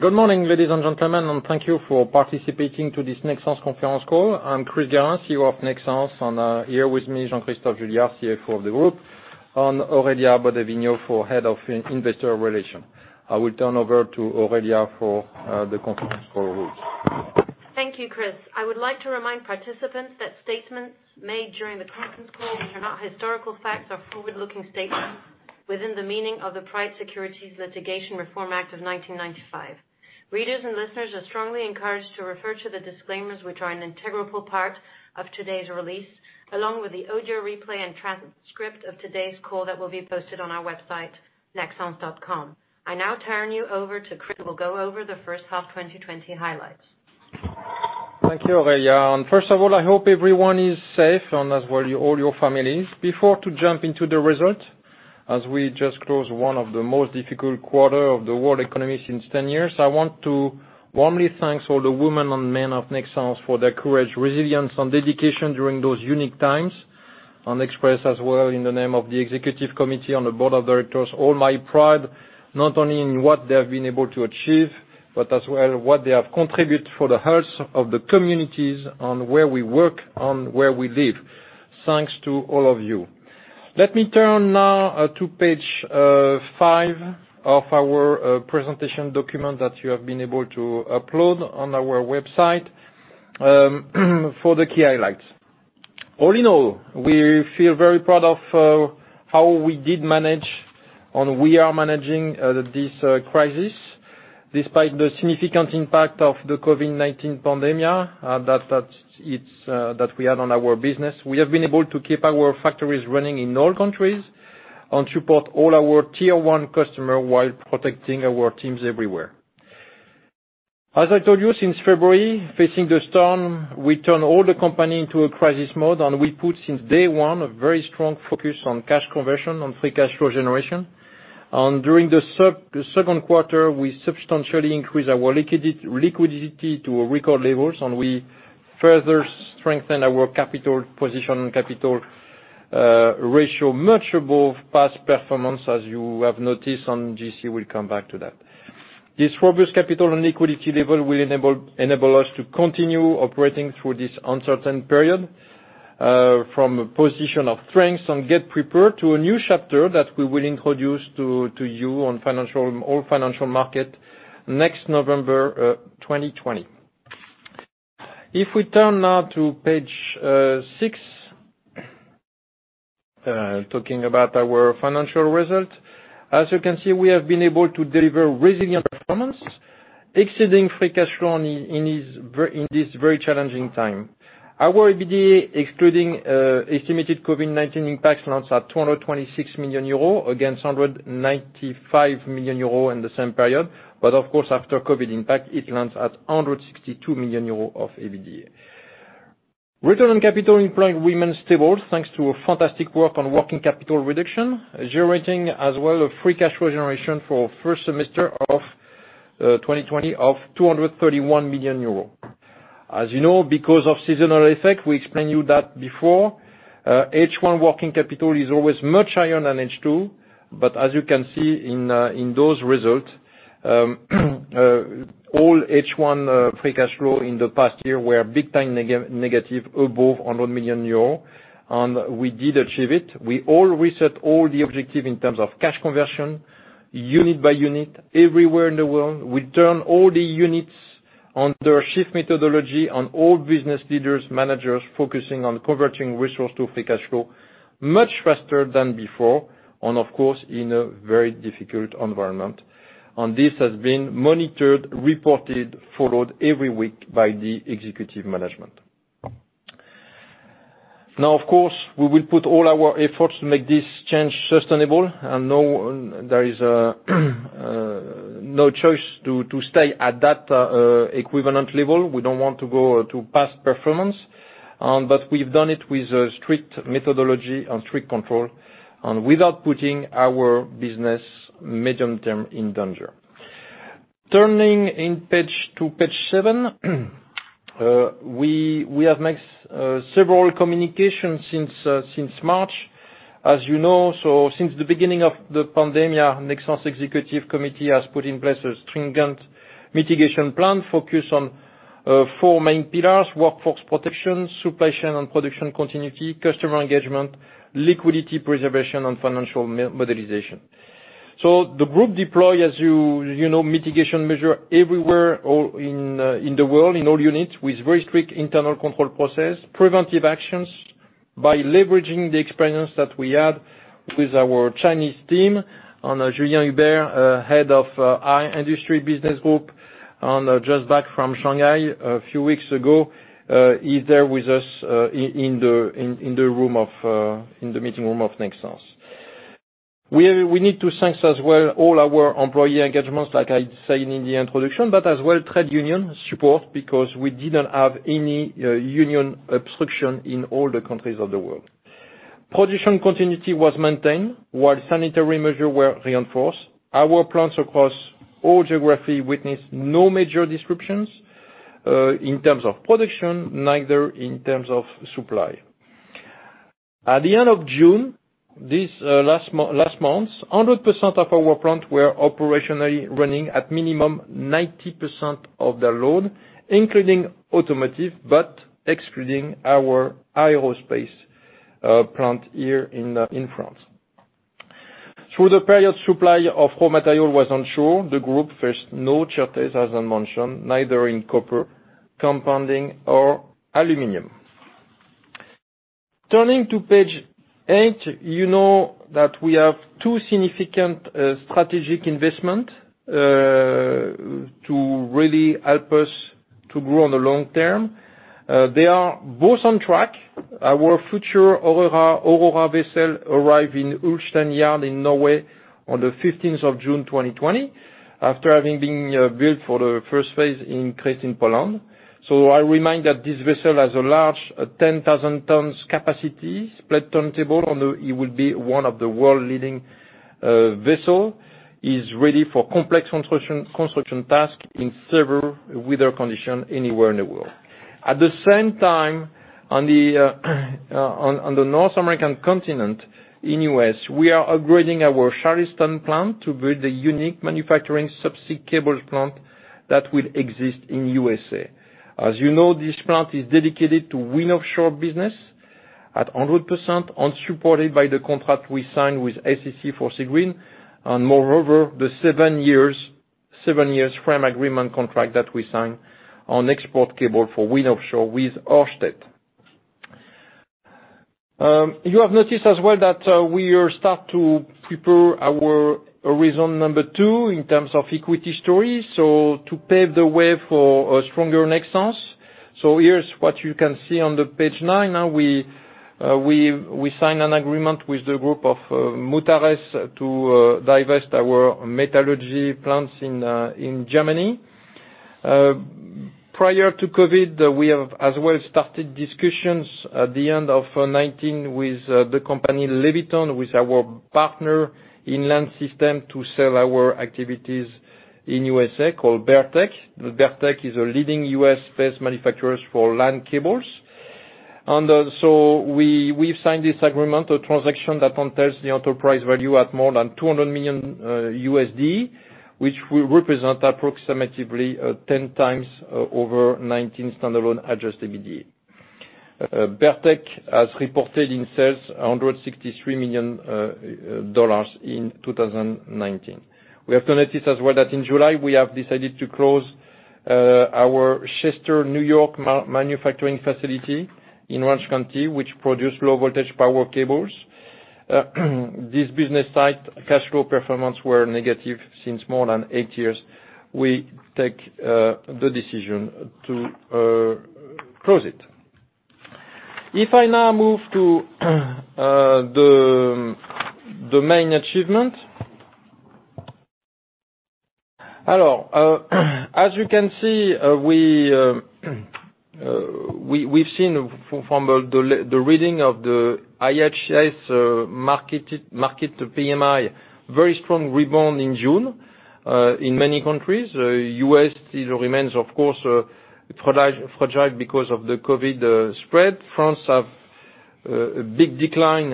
Good morning, ladies and gentlemen, and thank you for participating to this Nexans conference call. I'm Chris Guérin, CEO of Nexans, and here with me, Jean-Christophe Juillard, CFO of the group, and Aurélia Baudey-Vignaud, Head of Investor Relations. I will turn over to Aurélia for the conference call rules. Thank you, Chris. I would like to remind participants that statements made during the conference call which are not historical facts are forward-looking statements within the meaning of the Private Securities Litigation Reform Act of 1995. Readers and listeners are strongly encouraged to refer to the disclaimers which are an integral part of today's release, along with the audio replay and transcript of today's call that will be posted on our website, nexans.com. I now turn you over to Chris, who will go over the first half 2020 highlights. Thank you, Aurélia, and first of all, I hope everyone is safe, and as well, all your families. Before to jump into the results, as we just closed one of the most difficult quarter of the world economy since ten years, I want to warmly thank all the women and men of Nexans for their courage, resilience, and dedication during those unique times. And express as well, in the name of the executive committee and the board of directors, all my pride, not only in what they have been able to achieve, but as well what they have contributed for the health of the communities and where we work and where we live. Thanks to all of you. Let me turn now to page five of our presentation document that you have been able to upload on our website for the key highlights. All in all, we feel very proud of how we did manage, and we are managing this crisis. Despite the significant impact of the COVID-19 pandemic that we had on our business, we have been able to keep our factories running in all countries and support all our tier one customer while protecting our teams everywhere. As I told you, since February, facing the storm, we turn all the company into a crisis mode, and we put, since day one, a very strong focus on cash conversion and free cash flow generation. During the second quarter, we substantially increased our liquidity to record levels, and we further strengthen our capital position and capital ratio, much above past performance, as you have noticed, and JC will come back to that. This robust capital and liquidity level will enable us to continue operating through this uncertain period from a position of strength and get prepared to a new chapter that we will introduce to you on the financial markets next November 2020. If we turn now to page 6, talking about our financial results. As you can see, we have been able to deliver resilient performance, exceeding free cash flow in this very challenging time. Our EBITDA, excluding estimated COVID-19 impact, lands at 226 million euro, against 195 million euro in the same period. But of course, after COVID impact, it lands at 162 million euro of EBITDA. Return on capital employed remains stable, thanks to a fantastic work on working capital reduction, generating as well a free cash flow generation for first semester of 2020 of 231 million euros. As you know, because of seasonal effect, we explained you that before, H1 working capital is always much higher than H2, but as you can see in those results, all H1 free cash flow in the past year were big time negative, above 100 million euros, and we did achieve it. We all reset all the objective in terms of cash conversion, unit by unit, everywhere in the world. We turn all the units under shift methodology and all business leaders, managers, focusing on converting resource to free cash flow much faster than before, and of course, in a very difficult environment. This has been monitored, reported, followed every week by the executive management. Now, of course, we will put all our efforts to make this change sustainable, and no, there is no choice to stay at that equivalent level. We don't want to go to past performance, but we've done it with a strict methodology and strict control, and without putting our business medium term in danger. Turning to page seven, we have made several communications since March. As you know, since the beginning of the pandemic, Nexans' executive committee has put in place a stringent mitigation plan focused on four main pillars: workforce protection, supply chain and production continuity, customer engagement, liquidity preservation, and financial modeling. So the group deployed, as you know, mitigation measures everywhere all-in in the world, in all units, with very strict internal control processes, preventive actions, by leveraging the experience that we had with our Chinese team and Julien Hueber, head of Industry Business Group, and just back from Shanghai a few weeks ago. He's there with us in the meeting room of Nexans. We need to thank as well all our employee engagements, like I said in the introduction, but as well, trade union support, because we didn't have any union obstruction in all the countries of the world. Production continuity was maintained, while sanitary measures were reinforced. Our plants across all geography witnessed no major disruptions in terms of production, neither in terms of supply. At the end of June, this, last month, last month, 100% of our plant were operationally running at minimum 90% of their load, including automotive, but excluding our aerospace plant here in France. Through the period, supply of raw material was unsure. The group faced no shortages, as I mentioned, neither in copper, compounding or aluminum. Turning to page 8, you know that we have two significant strategic investment to really help us to grow in the long term. They are both on track. Our future Aurora, Aurora vessel arrived in Ulstein Verft in Norway on the fifteenth of June 2020, after having been built for the first phase in Gdynia, Poland. So I remind that this vessel has a large 10,000-ton capacity split turntable, and it will be one of the world-leading vessels. It is ready for complex construction tasks in severe weather conditions anywhere in the world. At the same time, on the North American continent, in the U.S., we are upgrading our Charleston plant to build a unique manufacturing subsea cable plant that will exist in the U.S.A. As you know, this plant is dedicated to wind offshore business 100% and supported by the contract we signed with SSE for Seagreen, and moreover, the 7-year frame agreement contract that we signed on export cable for wind offshore with Ørsted. You have noticed as well that we are start to prepare our reason number two in terms of equity story, so to pave the way for a stronger Nexans. So here's what you can see on the page 9. Now we sign an agreement with the group of Mutares to divest our metallurgy plants in Germany. Prior to COVID, we have as well started discussions at the end of 2019 with the company Leviton, with our partner in LAN systems, to sell our activities in USA called Berk-Tek. Berk-Tek is a leading US-based manufacturers for LAN cables. And so we have signed this agreement, a transaction that entails the enterprise value at more than $200 million, which will represent approximately 10x 2019 standalone adjusted EBITDA. Berk-Tek has reported in sales $163 million in 2019. We have to notice as well that in July, we have decided to close our Chester, New York, manufacturing facility in Orange County, which produce low voltage power cables. This business site, cash flow performance were negative since more than eight years. We take the decision to close it. If I now move to the main achievement. As you can see, we have seen from the reading of the IHS Markit PMI very strong rebound in June in many countries. The U.S. still remains, of course, fragile because of the COVID spread. France have a big decline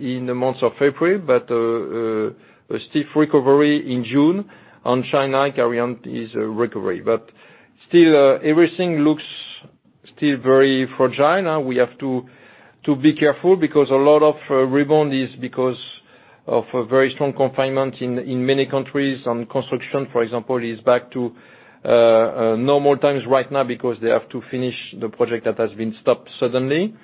in the months of April, but a steep recovery in June, and China carry on its recovery. But still, everything looks still very fragile. Now, we have to be careful because a lot of rebound is because of a very strong confinement in many countries, and construction, for example, is back to normal times right now because they have to finish the project that has been stopped suddenly.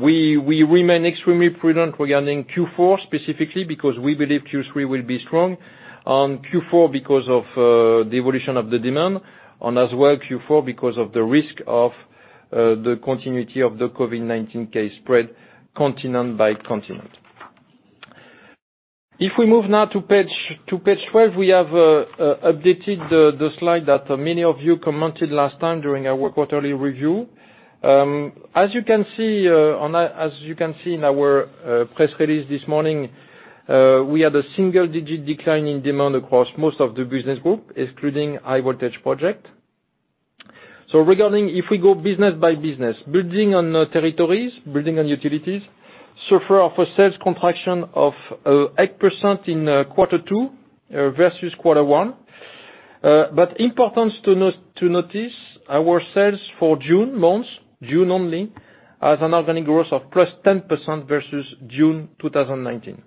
We remain extremely prudent regarding Q4, specifically, because we believe Q3 will be strong, and Q4 because of the evolution of the demand, and as well, Q4, because of the risk of the continuity of the COVID-19 case spread continent by continent. If we move now to page 12, we have updated the slide that many of you commented on last time during our quarterly review. As you can see in our press release this morning, we had a single-digit decline in demand across most of the business group, including high voltage project. So regarding if we go business by business, building on the territories, building on utilities, suffered a sales contraction of 8% in quarter two versus quarter one. But important to notice, our sales for June months, June only, has an organic growth of +10% versus June 2019.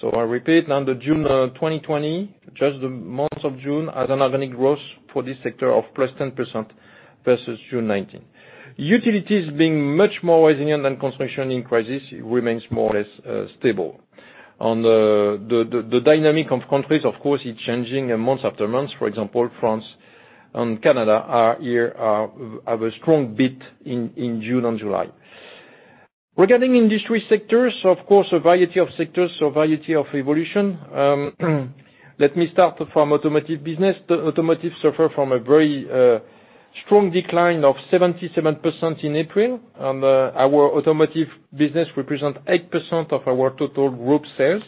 So I repeat, on the June 2020, just the month of June, has an organic growth for this sector of +10% versus June 2019. Utilities being much more resilient than construction in crisis, remains more or less stable. On the dynamic of countries, of course, is changing month after month. For example, France and Canada are here, have a strong beat in June and July. Regarding industry sectors, of course, a variety of sectors, so variety of evolution. Let me start from automotive business. The automotive suffer from a very strong decline of 77% in April, and our automotive business represent 8% of our total group sales,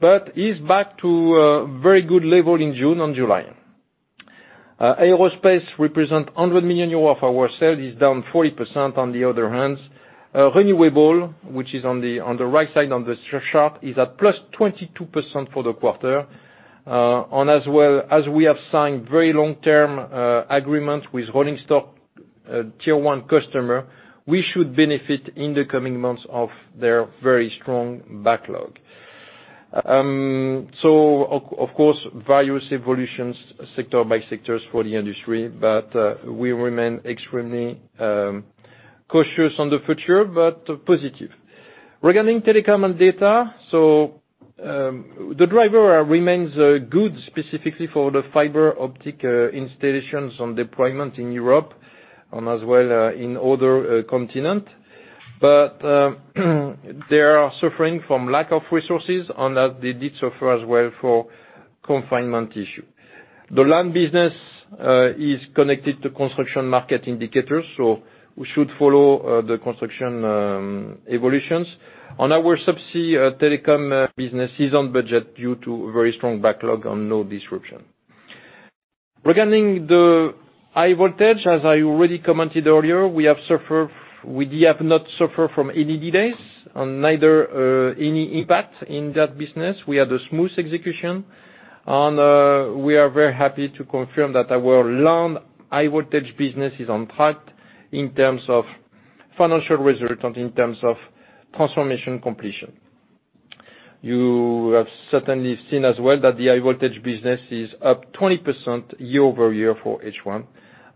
but is back to a very good level in June and July. Aerospace represent 100 million euros of our sale, is down 40% on the other hand. Renewable, which is on the right side on the chart, is at +22% for the quarter. And as well as we have signed very long-term agreement with rolling stock tier one customer, we should benefit in the coming months of their very strong backlog. So of course, various evolutions, sector by sectors for the industry, but we remain extremely cautious on the future, but positive. Regarding telecom and data, so the driver remains good, specifically for the fiber optic installations on deployment in Europe and as well in other continent. But they are suffering from lack of resources, and they did suffer as well for confinement issue. The land business is connected to construction market indicators, so we should follow the construction evolutions. On our subsea telecom business is on budget due to very strong backlog and no disruption. Regarding the high voltage, as I already commented earlier, we have not suffered from any delays, and neither any impact in that business. We had a smooth execution, and we are very happy to confirm that our land high voltage business is on track in terms of financial result and in terms of transformation completion. You have certainly seen as well that the high voltage business is up 20% year over year for H1,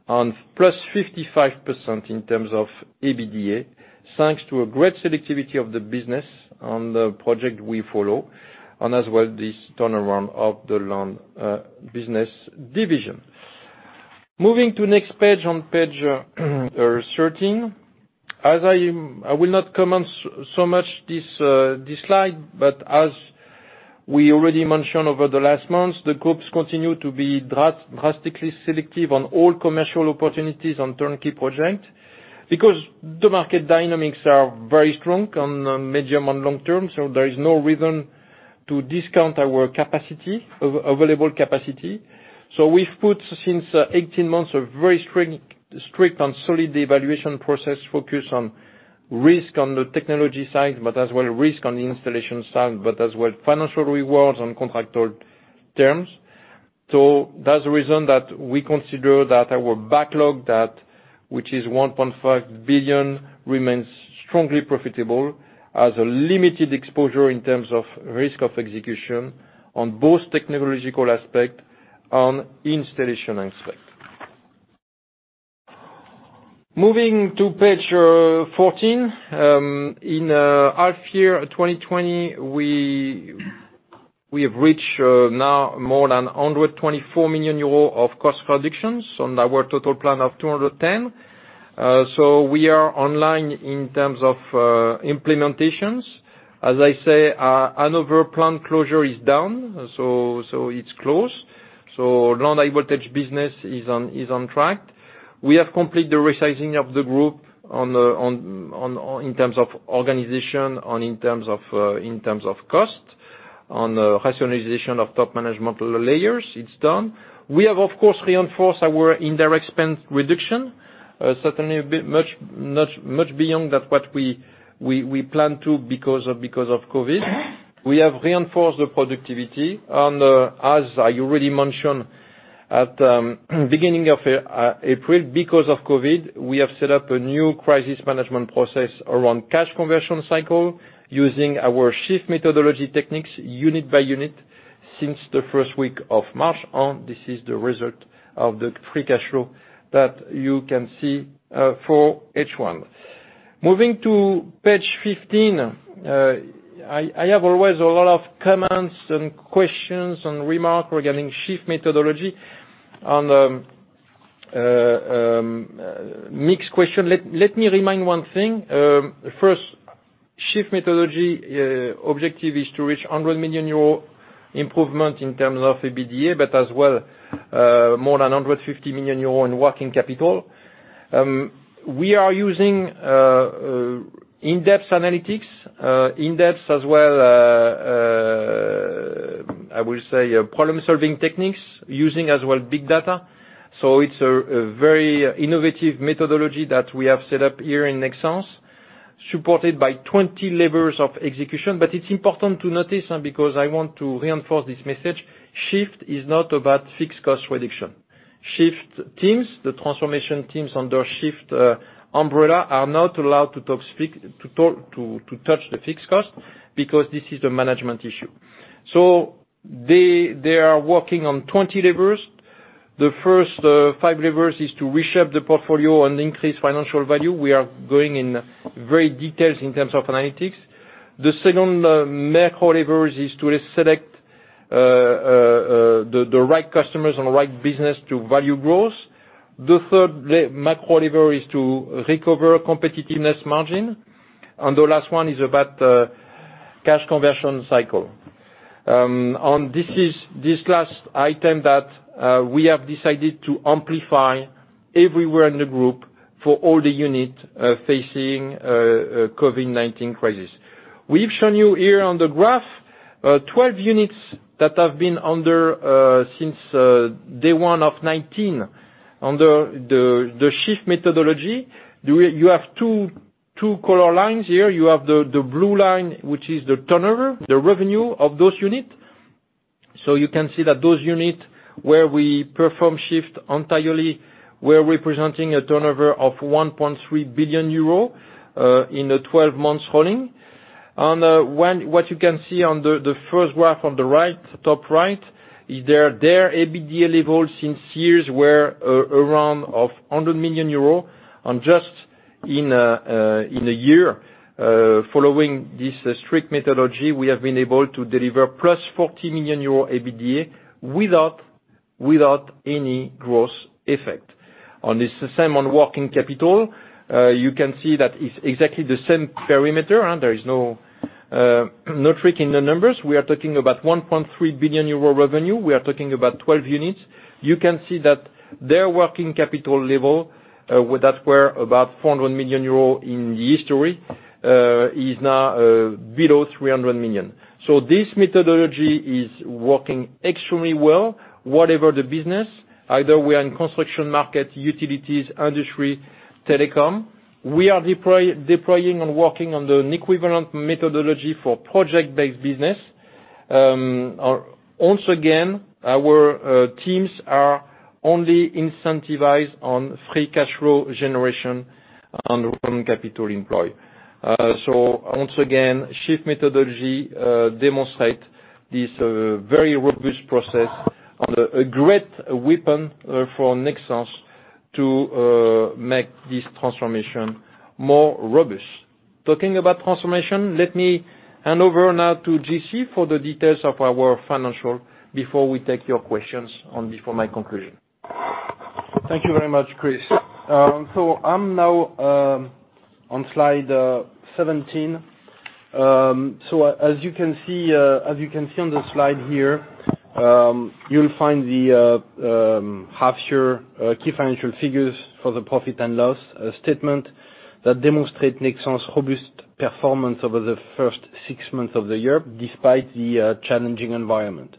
and +55% in terms of EBITDA, thanks to a great selectivity of the business on the project we follow, and as well, this turnaround of the land business division. Moving to next page, on page thirteen. As I will not comment so much this, this slide, but as we already mentioned over the last months, the groups continue to be drastically selective on all commercial opportunities on turnkey project, because the market dynamics are very strong on medium and long term, so there is no reason to discount our capacity, available capacity. So we've put, since 18 months, a very strict, strict and solid evaluation process focused on risk on the technology side, but as well risk on the installation side, but as well, financial rewards on contractor terms. So that's the reason that we consider that our backlog, that which is 1.5 billion, remains strongly profitable, has a limited exposure in terms of risk of execution on both technological aspect and installation aspect. Moving to page 14. In half year 2020, we have reached now more than 124 million euros of cost reductions on our total plan of 210 million. So we are online in terms of implementations. As I say, our Hanover plant closure is down, so it's closed. So Halden high voltage business is on track. We have completed the resizing of the group in terms of organization and in terms of cost. On the rationalization of top management layers, it's done. We have, of course, reinforced our indirect spend reduction, certainly a bit much beyond what we planned to because of COVID. We have reinforced the productivity, and, as I already mentioned at beginning of April, because of COVID, we have set up a new crisis management process around cash conversion cycle using our Shift methodology techniques, unit by unit, since the first week of March, and this is the result of the free cash flow that you can see for H1. Moving to page 15, I have always a lot of comments and questions and remarks regarding Shift methodology and mixed question. Let me remind one thing. First, Shift methodology objective is to reach 100 million euro improvement in terms of EBITDA, but as well, more than 150 million euro in working capital. We are using in-depth analytics, in-depth as well, I will say, problem-solving techniques, using as well, big data. So it's a very innovative methodology that we have set up here in Nexans, supported by 20 levels of execution. But it's important to notice, and because I want to reinforce this message, Shift is not about fixed cost reduction. Shift teams, the transformation teams under Shift umbrella, are not allowed to touch the fixed cost, because this is a management issue. So they are working on 20 levers. The first five levers is to reshape the portfolio and increase financial value. We are going in very details in terms of analytics. The second macro lever is to select the right customers and the right business to value growth. The third macro lever is to recover competitiveness margin, and the last one is about cash conversion cycle. This last item that we have decided to amplify everywhere in the group for all the units facing the COVID-19 crisis. We've shown you here on the graph 12 units that have been under since day one of 2019, under the shift methodology. You have two color lines here. You have the blue line, which is the turnover, the revenue of those units. So you can see that those units where we perform shift entirely, we're representing a turnover of 1.3 billion euro in a 12 months running. What you can see on the first graph on the top right is their EBITDA levels over the years were around 100 million euros. Just in a year following this strict methodology, we have been able to deliver plus 40 million euro EBITDA without any gross effect. On this, the same on working capital, you can see that it's exactly the same perimeter, and there is no trick in the numbers. We are talking about 1.3 billion euro revenue. We are talking about 12 units. You can see that their working capital level with that were about 400 million euro in the history is now below 300 million. So this methodology is working extremely well. Whatever the business, either we are in construction market, utilities, industry, telecom, we are deploying and working on an equivalent methodology for project-based business. Once again, our teams are only incentivized on free cash flow generation and working capital employed. So once again, SHIFT methodology demonstrates this very robust process and a great weapon for Nexans to make this transformation more robust. Talking about transformation, let me hand over now to JC for the details of our financials before we take your questions and before my conclusion. Thank you very much, Chris. I'm now on slide 17. As you can see on the slide here, you'll find the half year key financial figures for the profit and loss statement that demonstrate Nexans' robust performance over the first six months of the year, despite the challenging environment.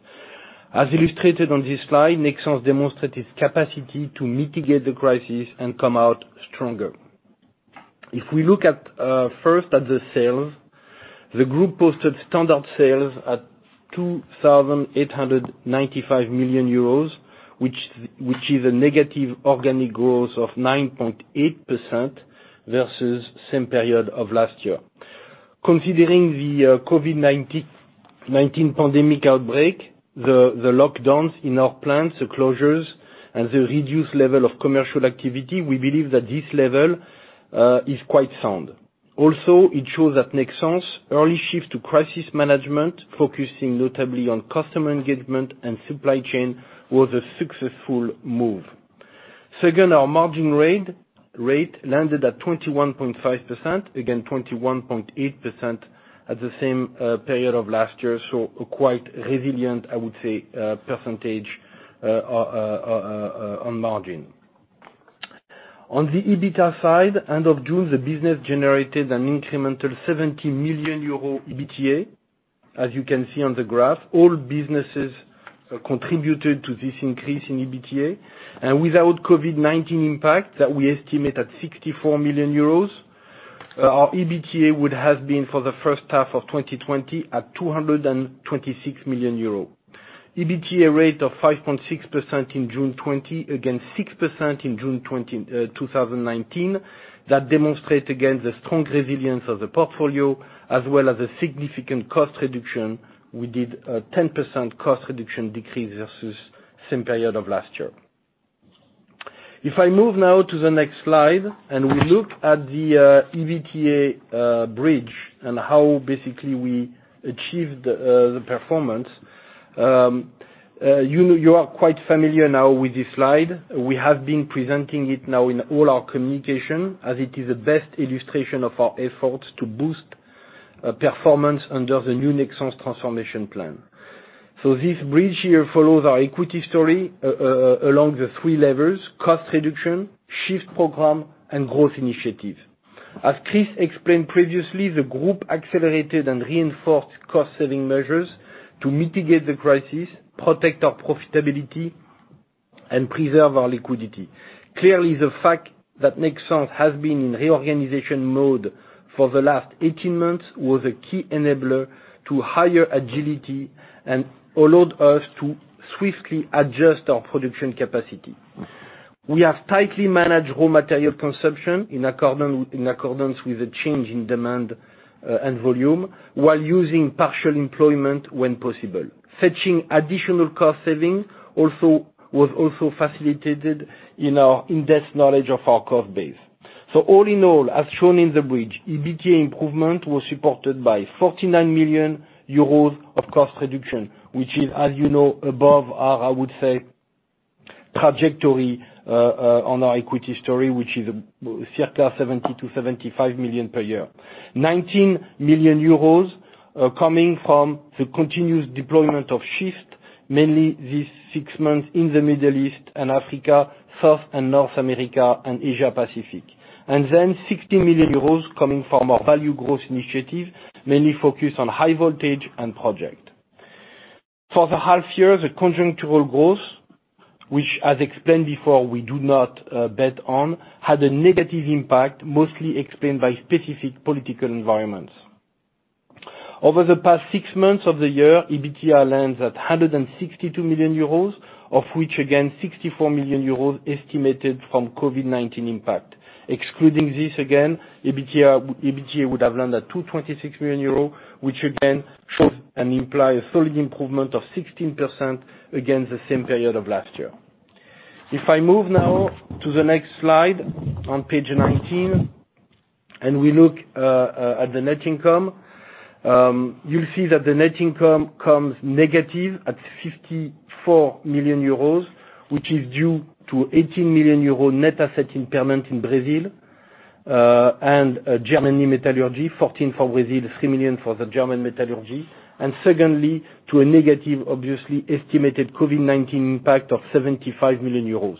As illustrated on this slide, Nexans demonstrate its capacity to mitigate the crisis and come out stronger. If we look at first at the sales, the group posted standard sales at 2,895 million euros, which is a negative organic growth of 9.8% versus same period of last year. Considering the COVID-19 pandemic outbreak, the lockdowns in our plants, the closures and the reduced level of commercial activity, we believe that this level is quite sound. Also, it shows that Nexans' early shift to crisis management, focusing notably on customer engagement and supply chain, was a successful move. Second, our margin rate landed at 21.5%. Again, 21.8% at the same period of last year. So quite resilient, I would say, on margin. On the EBITDA side, end of June, the business generated an incremental 70 million euro EBITDA. As you can see on the graph, all businesses contributed to this increase in EBITDA. Without COVID-19 impact that we estimate at 64 million euros, our EBITDA would have been for the first half of 2020 at 226 million euros. EBITDA rate of 5.6% in 1H 2020, against 6% in 1H 2019. That demonstrate, again, the strong resilience of the portfolio as well as a significant cost reduction. We did a 10% cost reduction decrease versus same period of last year. If I move now to the next slide, and we look at the EBITDA bridge and how basically we achieved the performance. You know, you are quite familiar now with this slide. We have been presenting it now in all our communication, as it is the best illustration of our efforts to boost performance under the new Nexans transformation plan. So this bridge here follows our equity story along the three levels: cost reduction, SHIFT program, and growth initiative. As Chris explained previously, the group accelerated and reinforced cost saving measures to mitigate the crisis, protect our profitability, and preserve our liquidity. Clearly, the fact that Nexans has been in reorganization mode for the last 18 months was a key enabler to higher agility and allowed us to swiftly adjust our production capacity. We have tightly managed raw material consumption in accordance with the change in demand and volume, while using partial employment when possible. Achieving additional cost savings also was facilitated by our in-depth knowledge of our cost base. So all in all, as shown in the bridge, EBITDA improvement was supported by 49 million euros of cost reduction, which is, as you know, above our, I would say, trajectory on our equity story, which is circa 70 million-75 million per year. 19 million euros coming from the continuous deployment of Shift mainly these six months in the Middle East and Africa, South and North America, and Asia Pacific. And then 60 million euros coming from our value growth initiative, mainly focused on high voltage and project. For the half year, the conjunctural growth, which as explained before, we do not bet on, had a negative impact, mostly explained by specific political environments. Over the past six months of the year, EBITDA lands at 162 million euros, of which, again, 64 million euros estimated from COVID-19 impact. Excluding this, again, EBITDA, EBITDA would have landed at 226 million euros, which again, shows and imply a solid improvement of 16% against the same period of last year. If I move now to the next slide, on page 19, and we look at the net income, you'll see that the net income comes negative at 54 million euros, which is due to 18 million euros net asset impairment in Brazil and Germany Metallurgy, 14 for Brazil, 3 million for the German Metallurgy. And secondly, to a negative, obviously, estimated COVID-19 impact of 75 million euros.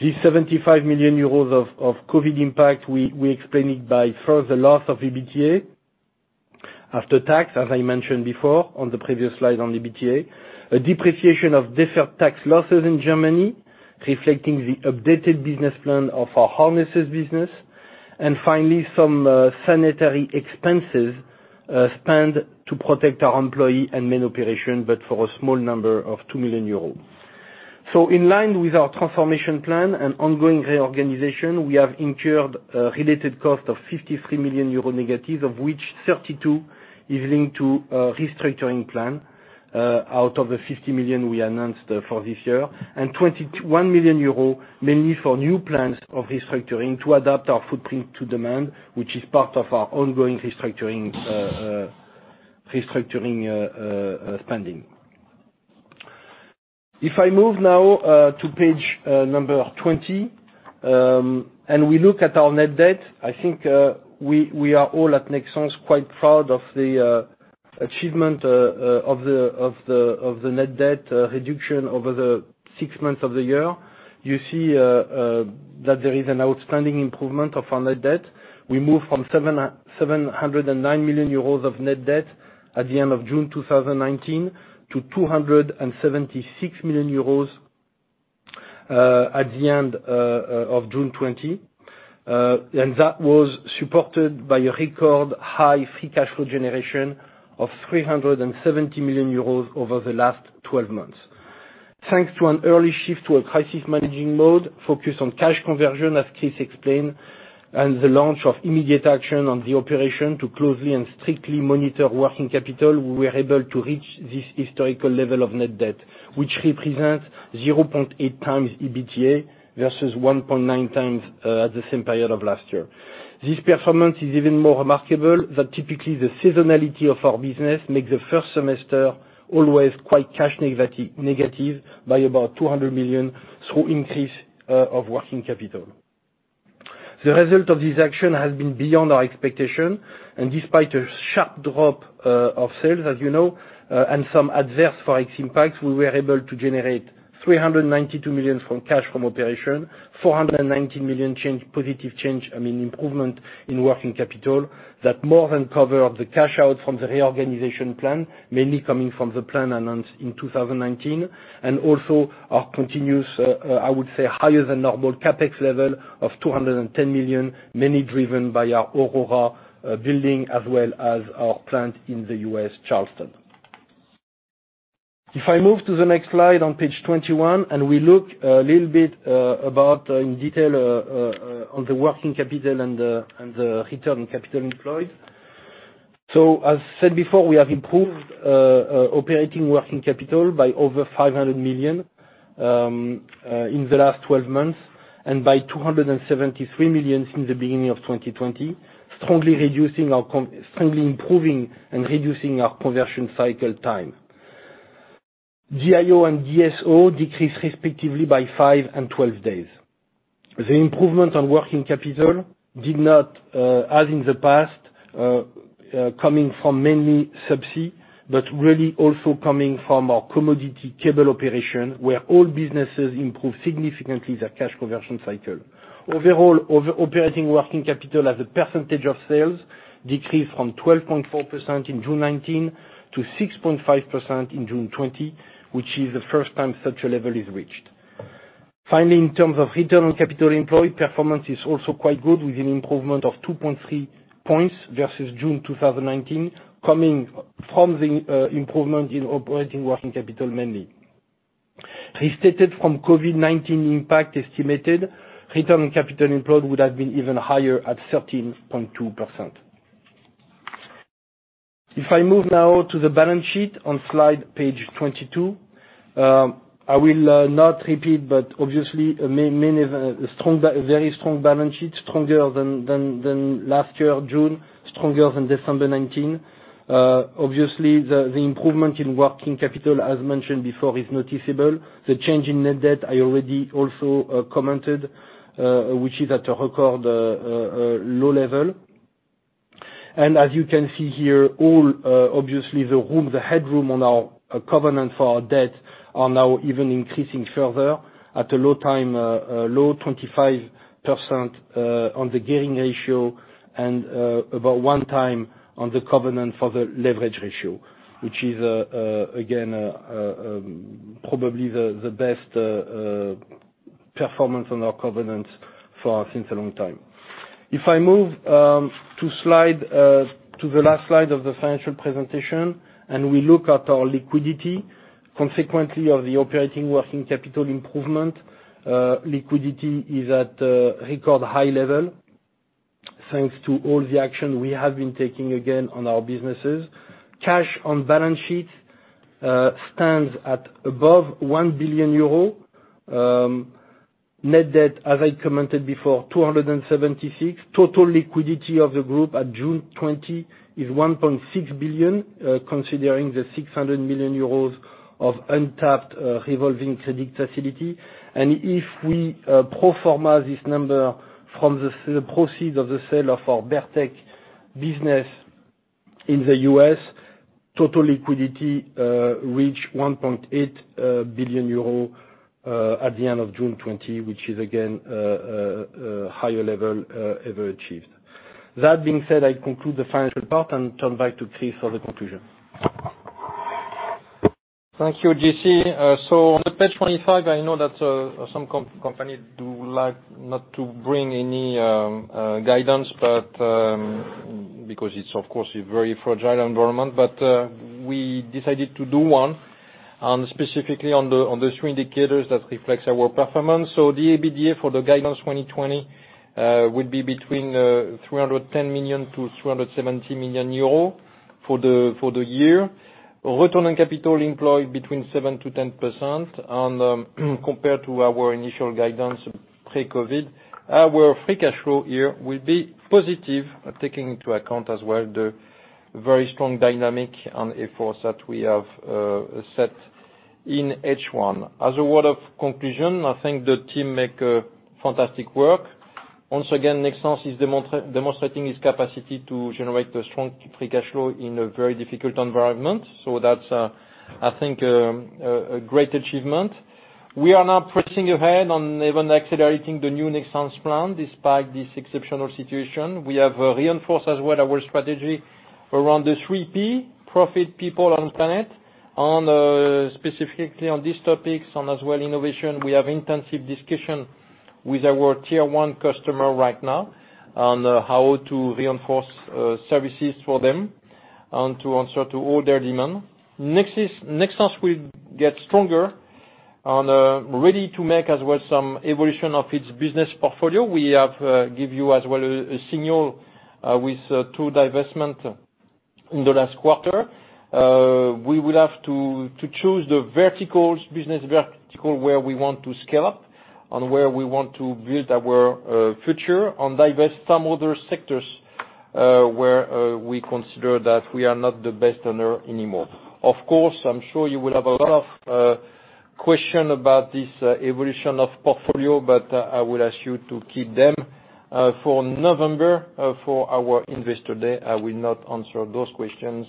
This 75 million euros of COVID impact, we explain it by further loss of EBITDA after tax, as I mentioned before on the previous slide on EBITDA. A depreciation of deferred tax losses in Germany, reflecting the updated business plan of our harnesses business. Finally, some sanitary expenses spent to protect our employee and main operation, but for a small number of 2 million euros. So in line with our transformation plan and ongoing reorganization, we have incurred a related cost of -53 million euro, of which 32 is linked to a restructuring plan out of the 50 million we announced for this year. And 21 million euros, mainly for new plans of restructuring to adapt our footprint to demand, which is part of our ongoing restructuring spending. If I move now to page number 20 and we look at our net debt, I think we are all at Nexans quite proud of the achievement of the net debt reduction over the six months of the year. You see, that there is an outstanding improvement of our net debt. We moved from 709 million euros of net debt at the end of June 2019, to 276 million euros, at the end of June 2020. That was supported by a record high free cash flow generation of 370 million euros over the last twelve months. Thanks to an early shift to a crisis managing mode, focused on cash conversion, as Chris explained, and the launch of immediate action on the operation to closely and strictly monitor working capital, we were able to reach this historical level of net debt, which represents 0.8 times EBITDA versus 1.9 times, at the same period of last year. This performance is even more remarkable, that typically the seasonality of our business makes the first semester always quite cash negative by about 200 million, through increase of working capital. The result of this action has been beyond our expectation, and despite a sharp drop of sales, as you know, and some adverse FX impacts, we were able to generate 392 million from cash from operation, 419 million change, positive change, I mean, improvement in working capital. That more than cover up the cash out from the reorganization plan, mainly coming from the plan announced in 2019, and also our continuous, I would say, higher than normal CapEx level of 210 million, mainly driven by our Aurora building, as well as our plant in the US, Charleston. If I move to the next slide on page 21, and we look a little bit about in detail on the working capital and the, and the return capital employed. So as said before, we have improved operating working capital by over 500 million in the last 12 months, and by 273 million since the beginning of 2020, strongly reducing our com-- strongly improving and reducing our conversion cycle time. DIO and DSO decreased respectively by 5 and 12 days. The improvement on working capital did not, as in the past, coming from mainly subsea, but really also coming from our commodity cable operation, where all businesses improved significantly their cash conversion cycle. Overall, over operating working capital as a percentage of sales decreased from 12.4% in June 2019 to 6.5% in June 2020, which is the first time such a level is reached. Finally, in terms of return on capital employed, performance is also quite good, with an improvement of 2.3 points versus June 2019, coming from the improvement in operating working capital, mainly. Restated from COVID-19 impact estimated, return on capital employed would have been even higher at 13.2%. If I move now to the balance sheet on slide page 22, I will not repeat, but obviously, a very strong balance sheet, stronger than last year, June. Stronger than December 2019. Obviously, the improvement in working capital, as mentioned before, is noticeable. The change in net debt, I already also commented, which is at a record low level. And as you can see here, all obviously, the room, the headroom on our covenant for our debt are now even increasing further at a low 25% on the gearing ratio and about 1x on the covenant for the leverage ratio, which is again probably the best performance on our covenants since a long time. If I move to the last slide of the financial presentation, and we look at our liquidity, consequently of the operating working capital improvement, liquidity is at record high level, thanks to all the action we have been taking again on our businesses. Cash on balance sheet stands at above 1 billion euro. Net debt, as I commented before, 276 million. Total liquidity of the group at June 2020 is 1.6 billion, considering the 600 million euros of untapped revolving credit facility. And if we pro forma this number from the proceeds of the sale of our Berk-Tek business in the US, total liquidity reach 1.8 billion euro at the end of June 2020, which is again a higher level ever achieved. That being said, I conclude the financial part and turn back to Chris for the conclusion. Thank you, JC. So on page 25, I know that some companies do like not to bring any guidance, but because it's, of course, a very fragile environment. But we decided to do one, and specifically on the three indicators that reflects our performance. So the EBITDA for the guidance 2020 would be between 310 million-370 million euro for the year. Return on capital employed between 7%-10% on, compared to our initial guidance pre-COVID. Our free cash flow year will be positive, taking into account as well the very strong dynamic and efforts that we have set in H1. As a word of conclusion, I think the team make a fantastic work. Once again, Nexans is demonstrating its capacity to generate a strong free cash flow in a very difficult environment. So that's, I think, a great achievement. We are now pressing ahead on even accelerating the new Nexans plan, despite this exceptional situation. We have reinforced as well our strategy around the three Ps, profit, people, and planet. On specifically on these topics and as well, innovation, we have intensive discussion with our tier-one customer right now on how to reinforce services for them and to answer to all their demand. Nexans, Nexans will get stronger and ready to make as well some evolution of its business portfolio. We have give you as well a signal with two divestments in the last quarter. We will have to choose the verticals, business vertical, where we want to scale up and where we want to build our future and divest some other sectors, where we consider that we are not the best owner anymore. Of course, I'm sure you will have a lot of question about this evolution of portfolio, but I will ask you to keep them for November, for our Investor Day. I will not answer those questions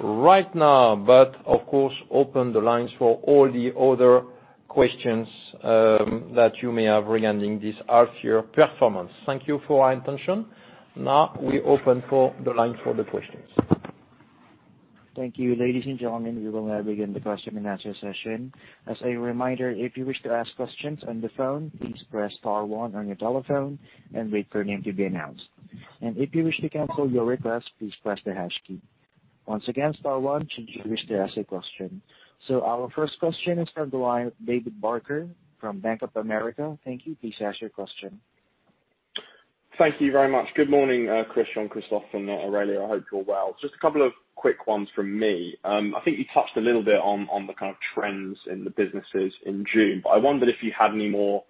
right now, but of course, open the lines for all the other questions, that you may have regarding this half year performance. Thank you for your attention. Now, we open for the line for the questions. Thank you. Ladies and gentlemen, we will now begin the question and answer session. As a reminder, if you wish to ask questions on the phone, please press star one on your telephone and wait for your name to be announced. And if you wish to cancel your request, please press the hash key. Once again, star one should you wish to ask a question. So our first question is from the line, David Barker from Bank of America. Thank you. Please ask your question. Thank you very much. Good morning, Chris, Jean-Christophe, from Aurélia. I hope you're well. Just a couple of quick ones from me. I think you touched a little bit on, on the kind of trends in the businesses in June, but I wondered if you had any more,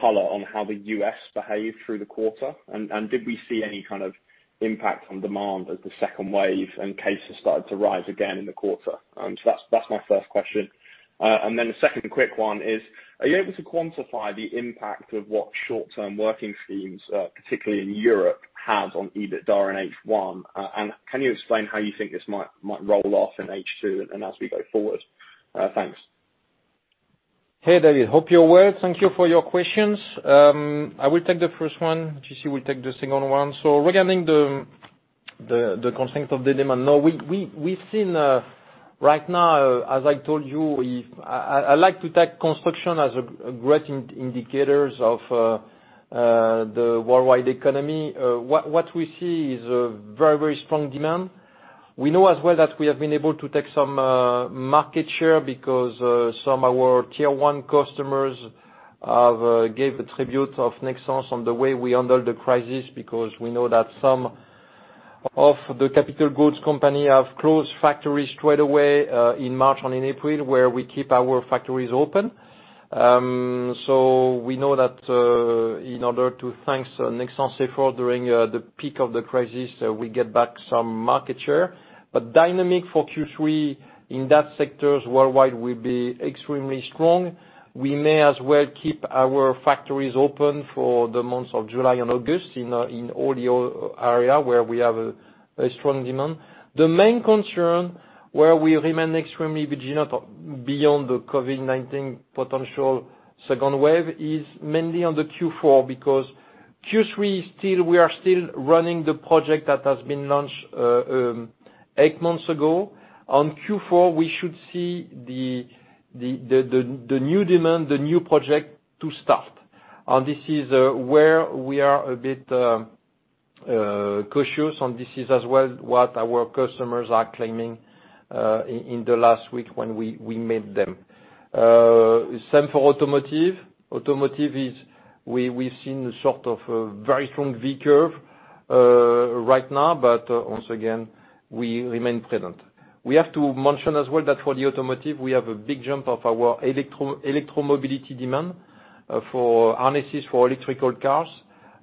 color on how the U.S. behaved through the quarter? And, and did we see any kind of impact on demand as the second wave and cases started to rise again in the quarter? So that's, that's my first question. And then the second quick one is, are you able to quantify the impact of what short-term working schemes, particularly in Europe, had on EBITDA in H1? And can you explain how you think this might, might roll off in H2 and as we go forward? Thanks. Hey, David. Hope you're well. Thank you for your questions. I will take the first one. JC will take the second one. So regarding the constraint of the demand, now we've seen right now, as I told you, if... I like to take construction as a great indicator of the worldwide economy. What we see is a very, very strong demand. We know as well that we have been able to take some market share because some of our tier one customers have given attributes to Nexans on the way we handle the crisis, because we know that some of the capital goods company have closed factories straight away in March and in April, where we keep our factories open. So we know that in order to take Nexans' share during the peak of the crisis, we get back some market share. But dynamics for Q3 in those sectors worldwide will be extremely strong. We may as well keep our factories open for the months of July and August in all the area where we have a strong demand. The main concern, where we remain extremely vigilant, beyond the COVID-19 potential second wave, is mainly on the Q4, because Q3 still, we are still running the project that has been launched eight months ago. On Q4, we should see the new demand, the new project to start. And this is where we are a bit cautious, and this is as well what our customers are claiming in the last week when we met them. Same for automotive. Automotive is we've seen sort of a very strong V curve right now, but once again, we remain prudent. We have to mention as well that for the automotive, we have a big jump of our electromobility demand for harnesses for electrical cars,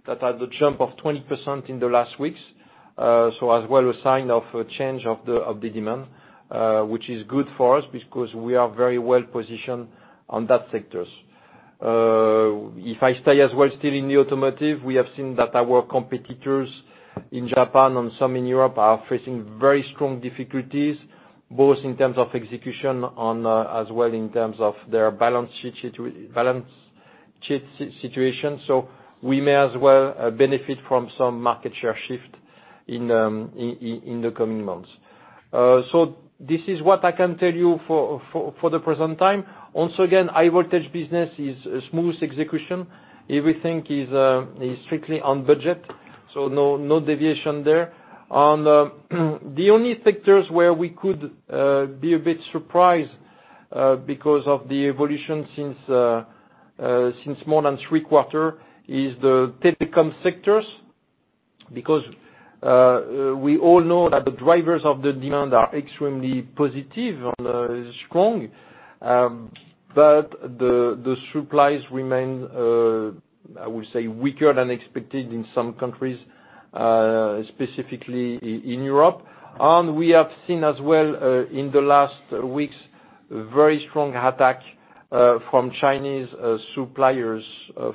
that had a jump of 20% in the last weeks. So as well a sign of a change of the demand which is good for us, because we are very well positioned on that sectors. If I stay as well, still in the automotive, we have seen that our competitors in Japan and some in Europe are facing very strong difficulties, both in terms of execution as well in terms of their balance sheet situation. So we may as well benefit from some market share shift in the coming months. So this is what I can tell you for the present time. Once again, high voltage business is a smooth execution. Everything is strictly on budget, so no deviation there. And the only sectors where we could be a bit surprised because of the evolution since more than three quarters is the telecom sectors. Because we all know that the drivers of the demand are extremely positive and strong. But the supplies remain, I would say, weaker than expected in some countries, specifically in Europe. And we have seen as well, in the last weeks, very strong attack from Chinese suppliers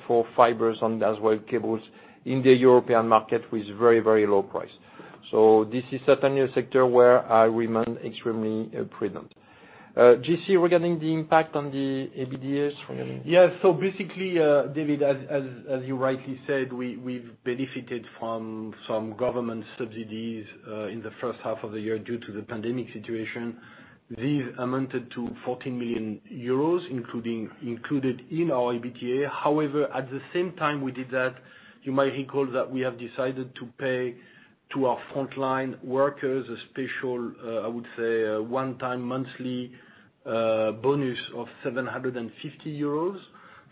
for fibers and as well, cables in the European market, with very, very low price. So this is certainly a sector where I remain extremely prudent. JC, regarding the impact on the EBITDA for you? Yes. So basically, David, as you rightly said, we, we've benefited from some government subsidies in the first half of the year, due to the pandemic situation. These amounted to 14 million euros, included in our EBITDA. However, at the same time we did that, you might recall that we have decided to pay to our frontline workers a special, I would say, a one-time monthly bonus of 750 euros.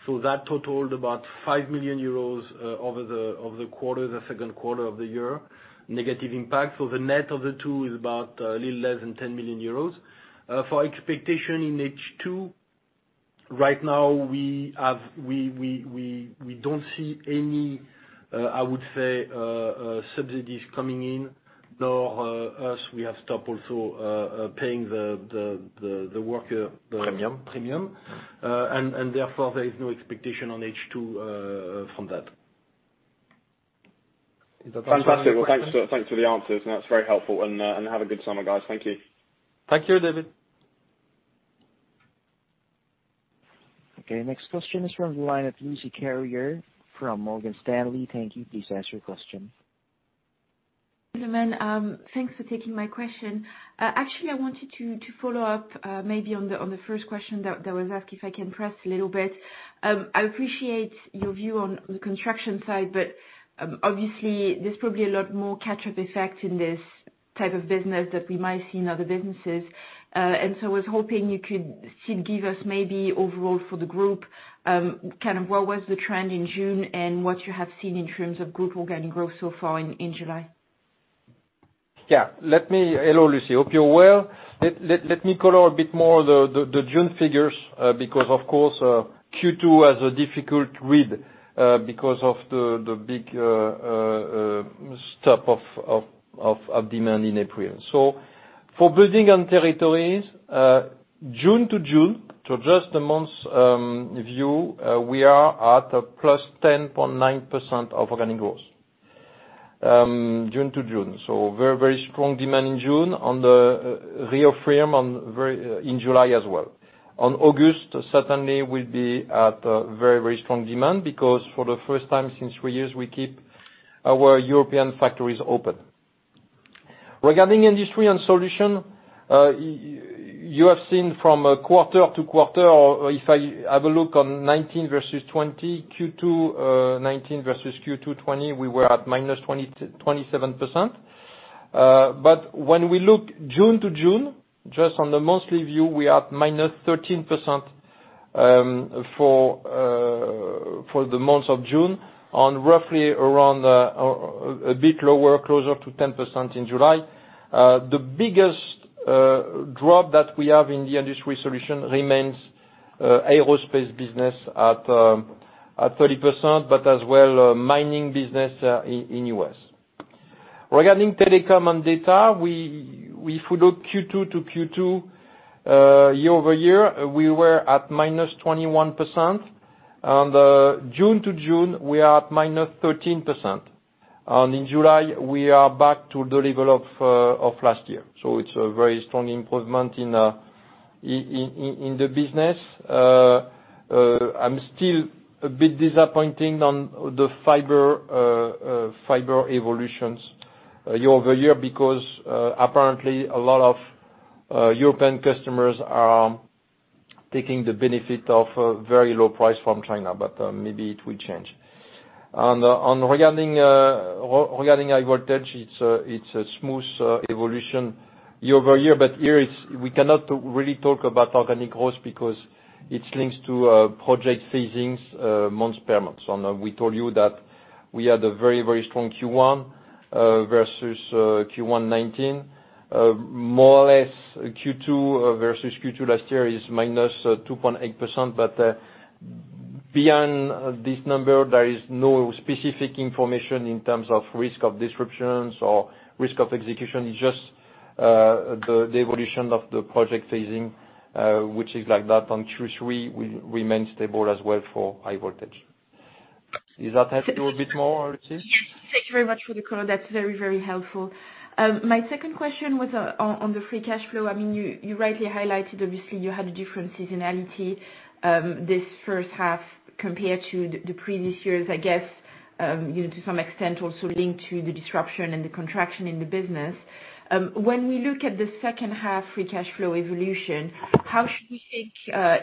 So that totaled about 5 million euros over the quarter, the second quarter of the year, negative impact. So the net of the two is about a little less than 10 million euros. For expectation in H2, right now, we have, we don't see any, I would say, subsidies coming in, nor us, we have stopped also paying the worker- Premium. -premium. And, and therefore, there is no expectation on H2 from that. Is that- Fantastic. Well, thanks for, thanks for the answers. That's very helpful. And, and have a good summer, guys. Thank you. Thank you, David. Okay, next question is from the line of Lucie Carrier from Morgan Stanley. Thank you. Please ask your question. Gentlemen, thanks for taking my question. Actually, I wanted to follow up, maybe on the first question that was asked, if I can press a little bit. I appreciate your view on the construction side, but obviously, there's probably a lot more catch-up effect in this type of business than we might see in other businesses. And so I was hoping you could give us maybe overall for the group, kind of what was the trend in June and what you have seen in terms of group organic growth so far in July? Yeah. Hello, Lucie. Hope you're well. Let me color a bit more the June figures, because of course, Q2 has a difficult read, because of the big stop of demand in April. So for Building and Territories, June to June to adjust the months view, we are at a +10.9% organic growth. June to June, so very, very strong demand in June and reconfirmation very strong in July as well. On August, certainly we'll be at a very, very strong demand, because for the first time in years, we keep our European factories open. Regarding Industry and Solutions, you have seen from quarter-to-quarter, or if I have a look on 2019 versus 2020, Q2 2019 versus Q2 2020, we were at minus 27%. But when we look June to June, just on the monthly view, we are at minus 13% for the month of June, on roughly around a bit lower, closer to 10% in July. The biggest drop that we have in the Industry Solutions remains the aerospace business at 30%, but as well mining business in the U.S. Regarding Telecom and Data, if we look Q2 to Q2 year-over-year, we were at minus 21%. On the June-to-June, we are at minus 13%, and in July, we are back to the level of last year. So it's a very strong improvement in the business. I'm still a bit disappointing on the fiber fiber evolutions year-over-year, because apparently a lot of European customers are taking the benefit of a very low price from China, but maybe it will change. Regarding high voltage, it's a smooth evolution year-over-year, but here it's we cannot really talk about organic growth because it links to project phases month per month. So now we told you that we had a very, very strong Q1 versus Q1 2019. More or less Q2 versus Q2 last year is minus 2.8%, but, beyond this number, there is no specific information in terms of risk of disruptions or risk of execution. It's just, the evolution of the project phasing, which is like that. On Q3, we remain stable as well for high voltage. Does that help you a bit more, Lucie? Yes. Thank you very much for the call. That's very, very helpful. My second question was, on, on the free cash flow. I mean, you, you rightly highlighted, obviously, you had a different seasonality, this first half compared to the, the previous years, I guess, you know, to some extent also linked to the disruption and the contraction in the business. When we look at the second half free cash flow evolution, how should we think,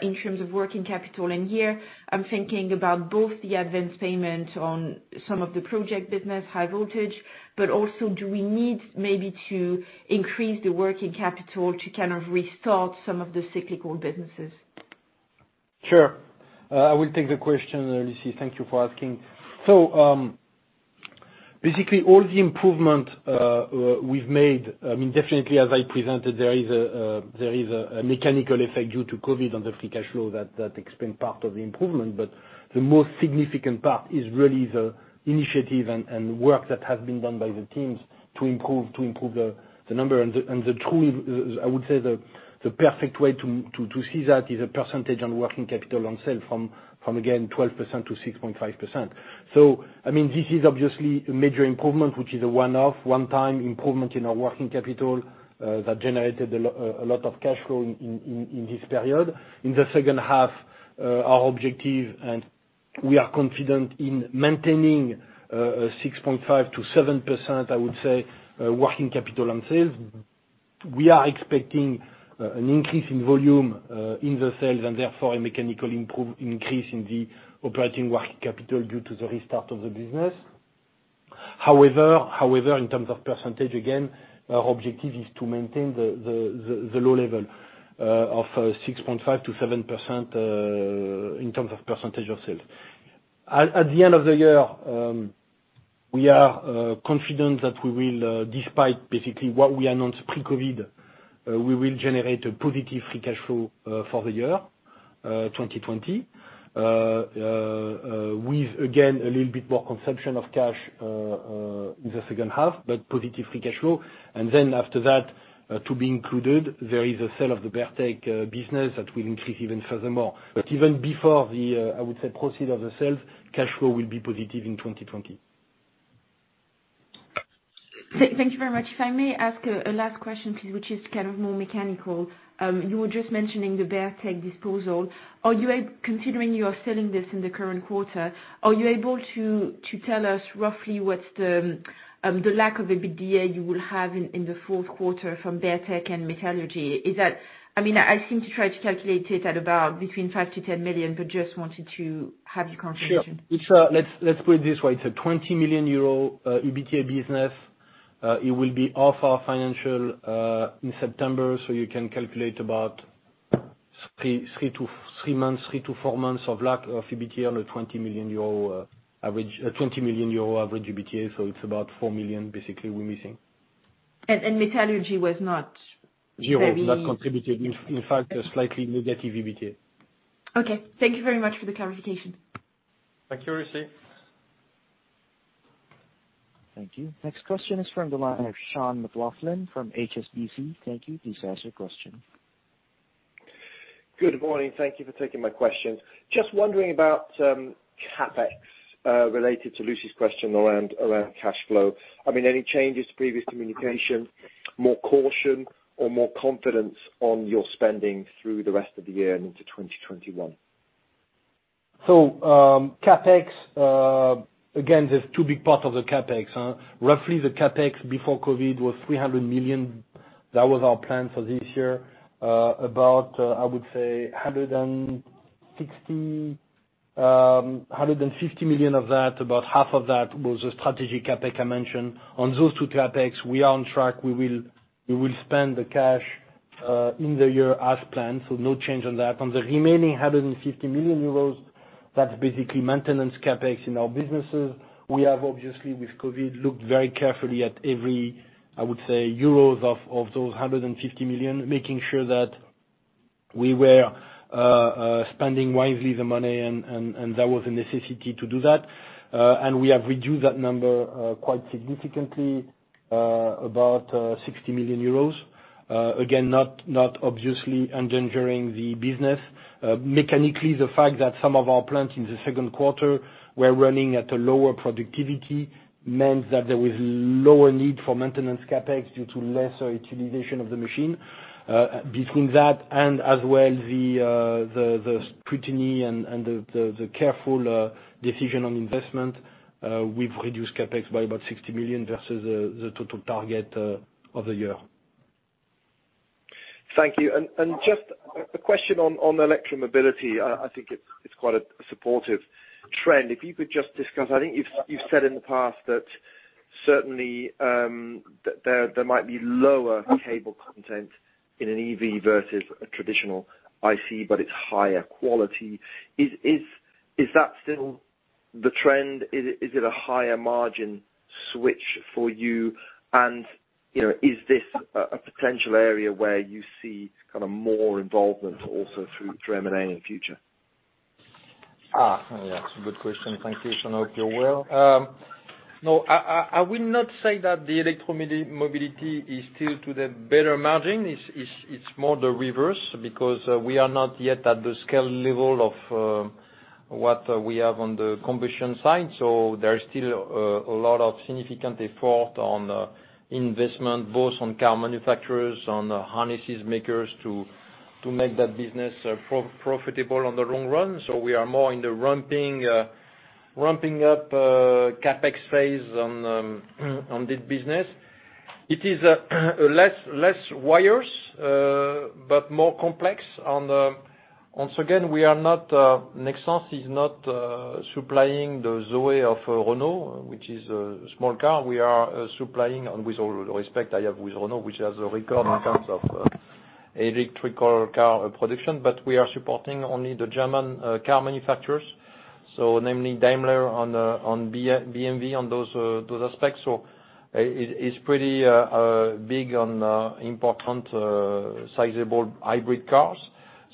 in terms of working capital? And here, I'm thinking about both the advanced payment on some of the project business, high voltage, but also, do we need maybe to increase the working capital to kind of restart some of the cyclical businesses? Sure. I will take the question, Lucie. Thank you for asking. So, basically, all the improvement, we've made, I mean, definitely as I presented, there is a, there is a, a mechanical effect due to COVID on the free cash flow that, that explain part of the improvement. But the most significant part is really the initiative and, and work that has been done by the teams to improve, to improve the, the number. And the, and the true, I would say the, the perfect way to, to, to see that is a percentage on working capital on sale from, from again, 12%-6.5%. So I mean, this is obviously a major improvement, which is a one-off, one-time improvement in our working capital, that generated a lot of cash flow in, in, in this period. In the second half, our objective, and we are confident in maintaining a 6.5%-7%, I would say, working capital on sales. We are expecting an increase in volume in the sales, and therefore a mechanical increase in the operating working capital due to the restart of the business. However, in terms of percentage, again, our objective is to maintain the low level of 6.5%-7% in terms of percentage of sales. At the end of the year, we are confident that we will, despite basically what we announced pre-COVID, generate a positive free cash flow for the year 2020. With again a little bit more consumption of cash in the second half, but positive free cash flow. And then after that, to be included, there is a sale of the Berk-Tek business that will increase even further more. But even before the, I would say, proceeds of the sale, cash flow will be positive in 2020. Thank you very much. If I may ask a last question, please, which is kind of more mechanical. You were just mentioning the Berk-Tek disposal. Are you considering you are selling this in the current quarter, are you able to tell us roughly what's the lack of EBITDA you will have in the fourth quarter from Berk-Tek and metallurgy? I mean, I seem to try to calculate it at about between 5 million-10 million, but just wanted to have your confirmation. Sure. It's, let's put it this way: it's a 20 million euro EBITDA business. It will be off our financial in September, so you can calculate about three to four months of lack of EBITDA on a 20 million euro average EBITDA, so it's about 4 million, basically, we're missing. Metallurgy was not very- Zero, not contributed. In fact, a slightly negative EBITDA. Okay. Thank you very much for the clarification. Thank you, Lucie. Thank you. Next question is from the line of Sean McLoughlin from HSBC. Thank you. Please ask your question. Good morning. Thank you for taking my questions. Just wondering about CapEx related to Lucie's question around cash flow. I mean, any changes to previous communication, more caution or more confidence on your spending through the rest of the year and into 2021? So, CapEx, again, there's two big part of the CapEx. Roughly, the CapEx before COVID was 300 million. That was our plan for this year. About, I would say 160, 150 million of that, about half of that, was the strategic CapEx I mentioned. On those two CapEx, we are on track. We will, we will spend the cash... in the year as planned, so no change on that. On the remaining 150 million euros, that's basically maintenance CapEx in our businesses. We have obviously, with COVID, looked very carefully at every, I would say, euros of those 150 million, making sure that we were, spending wisely the money, and, and, and there was a necessity to do that. And we have reduced that number quite significantly, about 60 million euros. Again, not, not obviously endangering the business. Mechanically, the fact that some of our plants in the second quarter were running at a lower productivity, meant that there was lower need for maintenance CapEx due to lesser utilization of the machine. Between that and as well, the scrutiny and the careful decision on investment, we've reduced CapEx by about 60 million versus the total target of the year. Thank you. And just a question on electromobility. I think it's quite a supportive trend. If you could just discuss... I think you've said in the past that certainly, there might be lower cable content in an EV versus a traditional IC, but it's higher quality. Is that still the trend? Is it a higher margin switch for you? And, you know, is this a potential area where you see kind of more involvement also through M&A in future? It's a good question. Thank you, Sean. I hope you're well. No, I will not say that the electromobility is still to the better margin. It's more the reverse, because we are not yet at the scale level of what we have on the combustion side. So there is still a lot of significant effort on investment, both on car manufacturers, on the harnesses makers, to make that business profitable on the long run. So we are more in the ramping up CapEx phase on this business. It is less wires, but more complex. Once again, we are not, Nexans is not supplying the ZOE of Renault, which is a small car. We are supplying, and with all respect I have with Renault, which has a record in terms of electrical car production. But we are supporting only the German car manufacturers, so namely Daimler and BMW on those aspects. So it's pretty big on important sizable hybrid cars.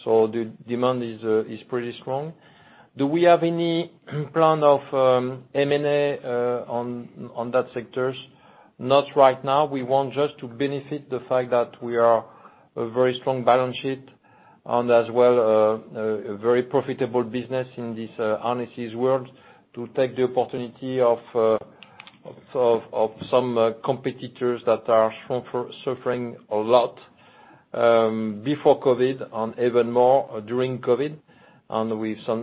So the demand is pretty strong. Do we have any plan of M&A on that sectors? Not right now. We want just to benefit the fact that we are a very strong balance sheet, and as well a very profitable business in this harnesses world, to take the opportunity of some competitors that are suffering a lot before COVID and even more during COVID.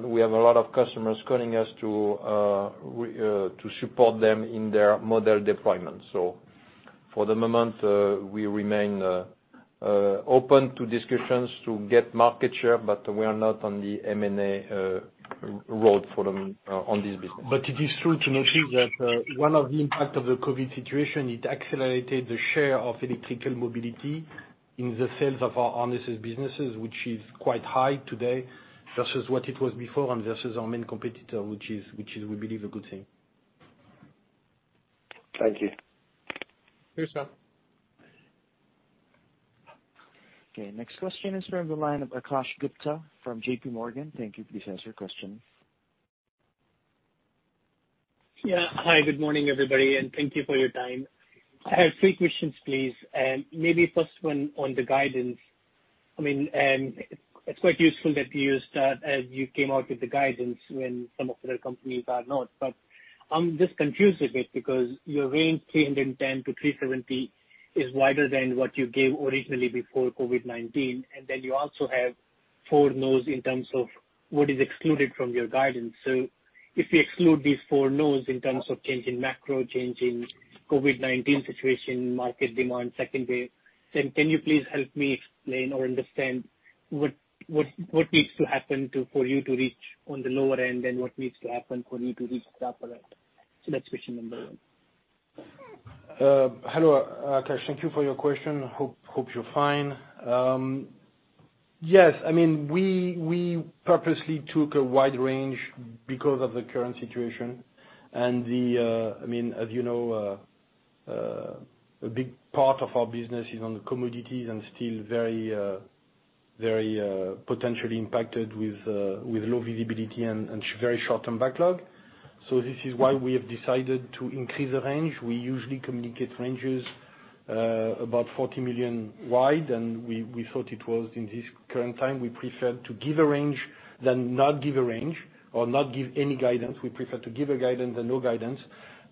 We have a lot of customers calling us to support them in their model deployment. So for the moment, we remain open to discussions to get market share, but we are not on the M&A road for this business. It is true to notice that one of the impact of the COVID situation accelerated the share of electrical mobility in the sales of our harnesses businesses, which is quite high today versus what it was before and versus our main competitor, which is, we believe, a good thing. Thank you. Thanks, Sean. Okay, next question is from the line of Akash Gupta from J.P. Morgan. Thank you. Please ask your question. Yeah. Hi, good morning, everybody, and thank you for your time. I have three questions, please. Maybe first one on the guidance. I mean, it's quite useful that you start, you came out with the guidance when some of the other companies are not. But I'm just confused a bit, because your range, 310 million-370 million, is wider than what you gave originally before COVID-19. And then you also have four no's in terms of what is excluded from your guidance. So if you exclude these four no's in terms of change in macro, change in COVID-19 situation, market demand, second wave, then can you please help me explain or understand what, what, what needs to happen to—for you to reach on the lower end, and what needs to happen for you to reach the upper end? So that's question number one. Hello, Akash. Thank you for your question. Hope you're fine. Yes. I mean, we purposely took a wide range because of the current situation. And the... I mean, as you know, a big part of our business is on the commodities and still very potentially impacted with low visibility and very short-term backlog. So this is why we have decided to increase the range. We usually communicate ranges about 40 million wide, and we thought it was in this current time, we preferred to give a range than not give a range or not give any guidance. We prefer to give guidance than no guidance.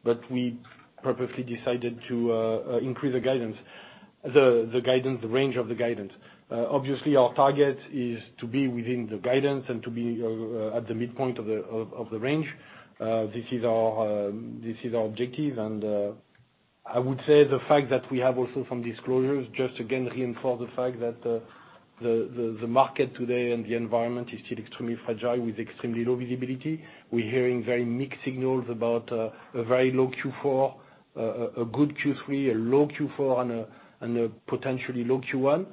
But we purposely decided to increase the guidance, the guidance, the range of the guidance. Obviously, our target is to be within the guidance and to be at the midpoint of the range. This is our objective. I would say the fact that we have also some disclosures just again reinforce the fact that, the market today and the environment is still extremely fragile with extremely low visibility. We're hearing very mixed signals about a very low Q4, a good Q3, a low Q4, and a potentially low Q1.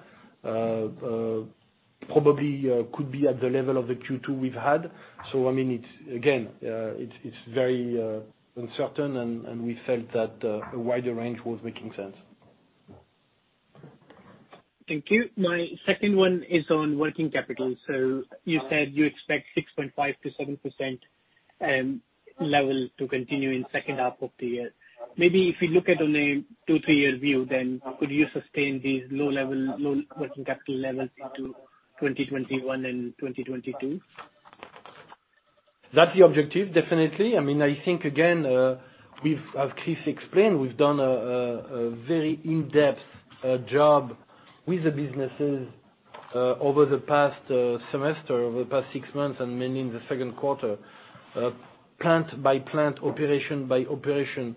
Probably could be at the level of the Q2 we've had. So, I mean, it's again, it's very uncertain, and we felt that a wider range was making sense. Thank you. My second one is on working capital. So you said you expect 6.5%-7% level to continue in second half of the year. Maybe if you look at on a 2-3-year view, then could you sustain these low level, low working capital levels into 2021 and 2022? That's the objective, definitely. I mean, I think again, as Chris explained, we've done a very in-depth job with the businesses over the past semester, over the past six months, and mainly in the second quarter. Plant by plant, operation by operation,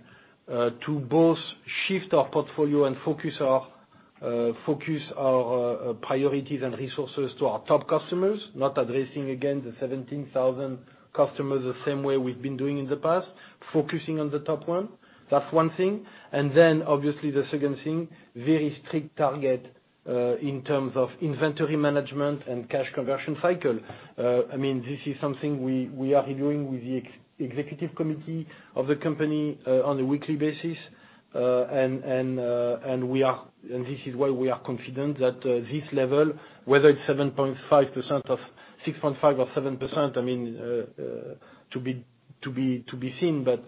to both shift our portfolio and focus our priorities and resources to our top customers, not addressing, again, the 17,000 customers the same way we've been doing in the past, focusing on the top one. That's one thing. And then, obviously, the second thing, very strict target in terms of inventory management and cash conversion cycle. I mean, this is something we are reviewing with the executive committee of the company on a weekly basis. And this is why we are confident that this level, whether it's 7.5%, 6.5% or 7%, I mean, to be seen. But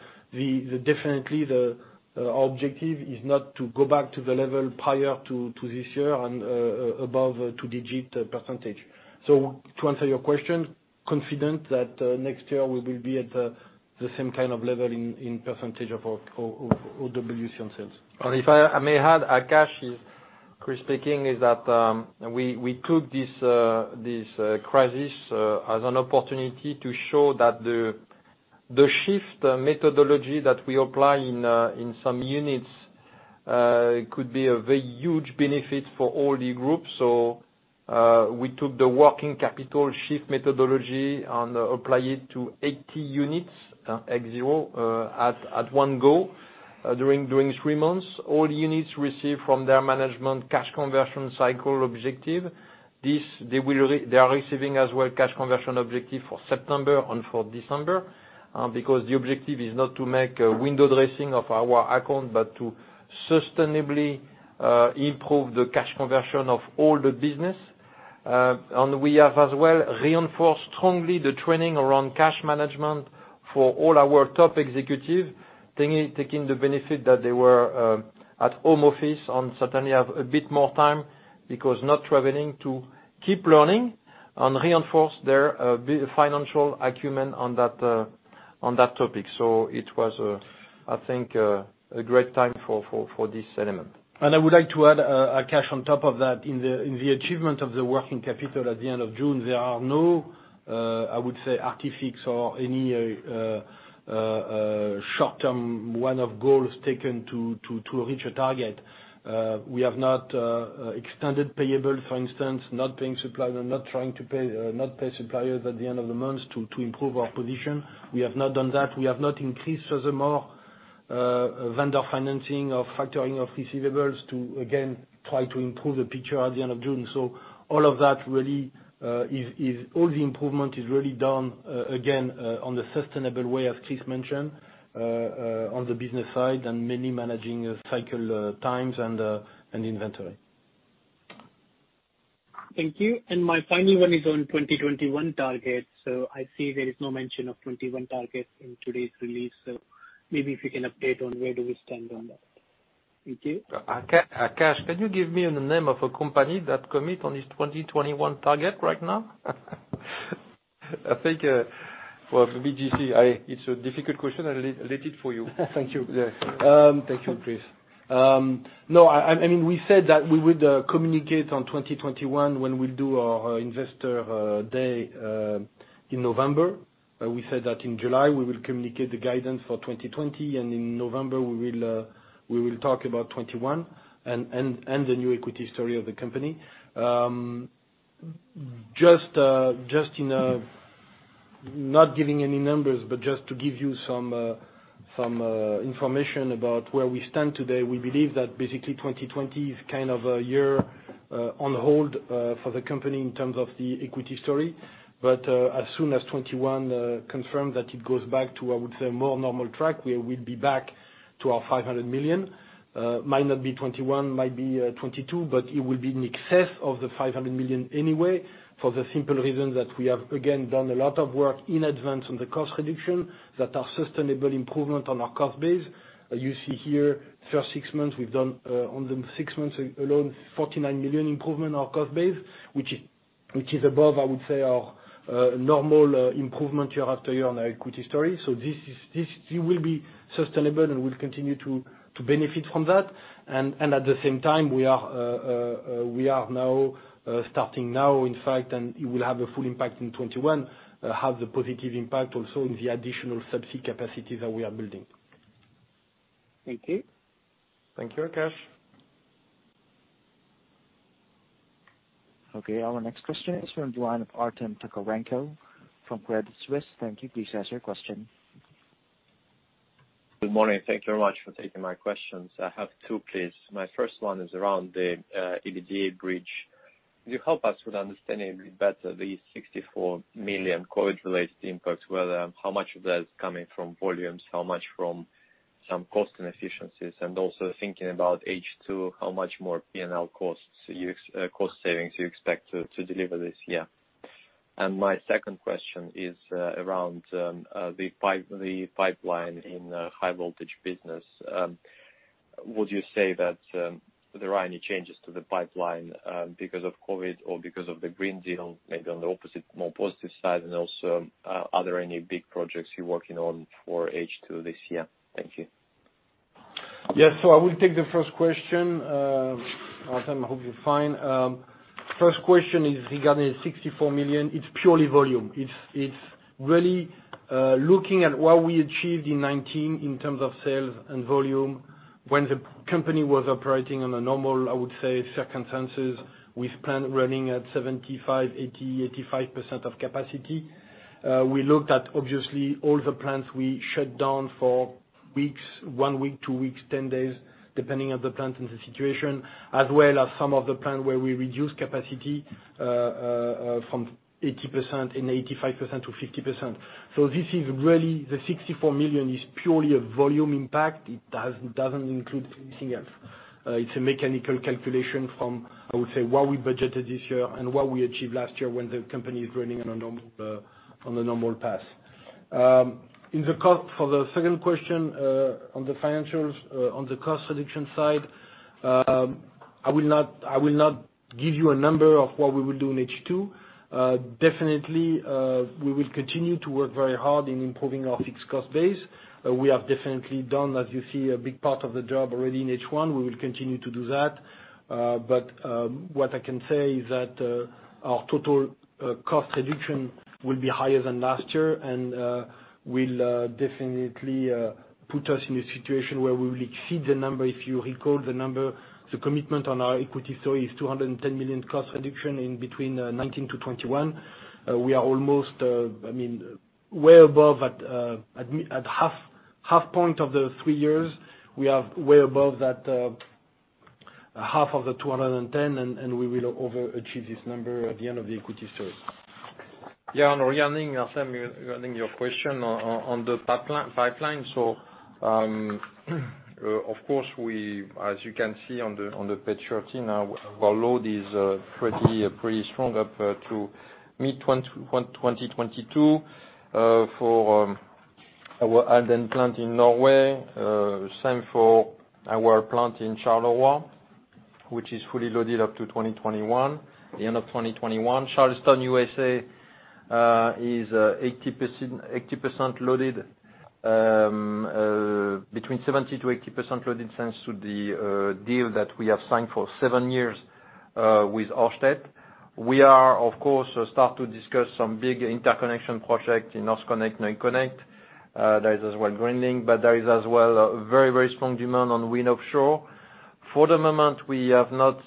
definitely the objective is not to go back to the level prior to this year and above a two-digit percentage. So to answer your question, confident that next year we will be at the same kind of level in percentage of our OWC on sales. If I may add, Akash, this is Chris speaking, that we took this crisis as an opportunity to show that the SHIFT methodology that we apply in some units could be a very huge benefit for all the groups. So, we took the working capital SHIFT methodology and applied it to 80 units, ex zero, at one go, during three months. All units received from their management cash conversion cycle objective. They are receiving as well cash conversion objective for September and for December, because the objective is not to make a window dressing of our account, but to sustainably improve the cash conversion of all the business. We have as well reinforced strongly the training around cash management for all our top executive, taking the benefit that they were at home office and certainly have a bit more time, because not traveling, to keep learning and reinforce their financial acumen on that topic. It was, I think, a great time for this element. I would like to add, Akash, on top of that, in the achievement of the working capital at the end of June, there are no artifice or any short-term one-off goals taken to reach a target. We have not extended payable, for instance, not paying suppliers, not trying to pay suppliers at the end of the month to improve our position. We have not done that. We have not increased furthermore vendor financing or factoring of receivables to again try to improve the picture at the end of June. So all of that really is all the improvement is really done again on the sustainable way, as Chris mentioned, on the business side and mainly managing cycle times and inventory. Thank you. My final one is on 2021 targets. I see there is no mention of 2021 targets in today's release. Maybe if you can update on where do we stand on that? Thank you. Akash, can you give me the name of a company that commit on its 2021 target right now? I think, well, for me, JC, it's a difficult question. I'll leave it for you. Thank you. Yeah. Thank you, Chris. No, I mean, we said that we would communicate on 2021 when we do our investor day in November. We said that in July, we will communicate the guidance for 2020, and in November, we will talk about 2021 and the new equity story of the company. Just, not giving any numbers, but just to give you some information about where we stand today, we believe that basically 2020 is kind of a year on hold for the company in terms of the equity story. But as soon as 2021 confirms that it goes back to, I would say, a more normal track, we will be back to our 500 million. Might not be 2021, might be 2022, but it will be in excess of 500 million anyway, for the simple reason that we have, again, done a lot of work in advance on the cost reduction that are sustainable improvement on our cost base. You see here, first six months, we've done, on the six months alone, 49 million improvement on our cost base, which is, which is above, I would say, our normal improvement year after year on our equity story. So this is, this will be sustainable, and we'll continue to benefit from that. And, and at the same time, we are, we are now starting now, in fact, and it will have a full impact in 2021, have the positive impact also in the additional subsea capacity that we are building. Thank you. Thank you, Akash. Okay, our next question is from the line of Artem Tokarenko from Credit Suisse. Thank you. Please ask your question. Good morning. Thank you very much for taking my questions. I have two, please. My first one is around the EBITDA bridge. Could you help us with understanding better the 64 million COVID related impact, whether how much of that is coming from volumes, how much from some cost and efficiencies, and also thinking about H2, how much more P&L cost savings you expect to deliver this year? And my second question is around the pipeline in high voltage business. Would you say that there are any changes to the pipeline because of COVID or because of the Green Deal, maybe on the opposite, more positive side? And also, are there any big projects you're working on for H2 this year? Thank you. Yes, so I will take the first question. Artem, I hope you're fine. First question is regarding 64 million. It's purely volume. It's really looking at what we achieved in 2019 in terms of sales and volume when the company was operating on a normal, I would say, circumstances, with plant running at 75%, 80%, 85% of capacity. We looked at obviously all the plants we shut down for weeks, one week, two weeks, 10 days, depending on the plant and the situation, as well as some of the plant where we reduced capacity from 80% and 85% to 50%. So this is really the 64 million is purely a volume impact. It doesn't include anything else. It's a mechanical calculation from, I would say, what we budgeted this year and what we achieved last year when the company is running on a normal path. In the co- for the second question, on the financials, on the cost reduction side, I will not give you a number of what we will do in H2. Definitely, we will continue to work very hard in improving our fixed cost base. We have definitely done, as you see, a big part of the job already in H1. We will continue to do that. But, what I can say is that, our total cost reduction will be higher than last year, and will definitely put us in a situation where we will exceed the number. If you recall the number, the commitment on our equity story is 210 million cost reduction in between 2019 to 2021. We are almost, I mean, way above at half, half point of the three years, we are way above that, half of the 210 million, and we will overachieve this number at the end of the equity story. Yeah, and regarding, Artem, regarding your question on the pipeline, so, of course, we, as you can see on the page 13, our load is pretty strong up to mid-2022. For our Halden plant in Norway, same for our plant in Charleroi, which is fully loaded up to 2021, the end of 2021. Charleston, USA, is 80%, 80% loaded, between 70%-80% loaded, thanks to the deal that we have signed for 7 years with Ørsted. We are, of course, start to discuss some big interconnection project in NorthConnect, NorthConnect. There is as well growing, but there is as well a very, very strong demand on wind offshore. For the moment, we have not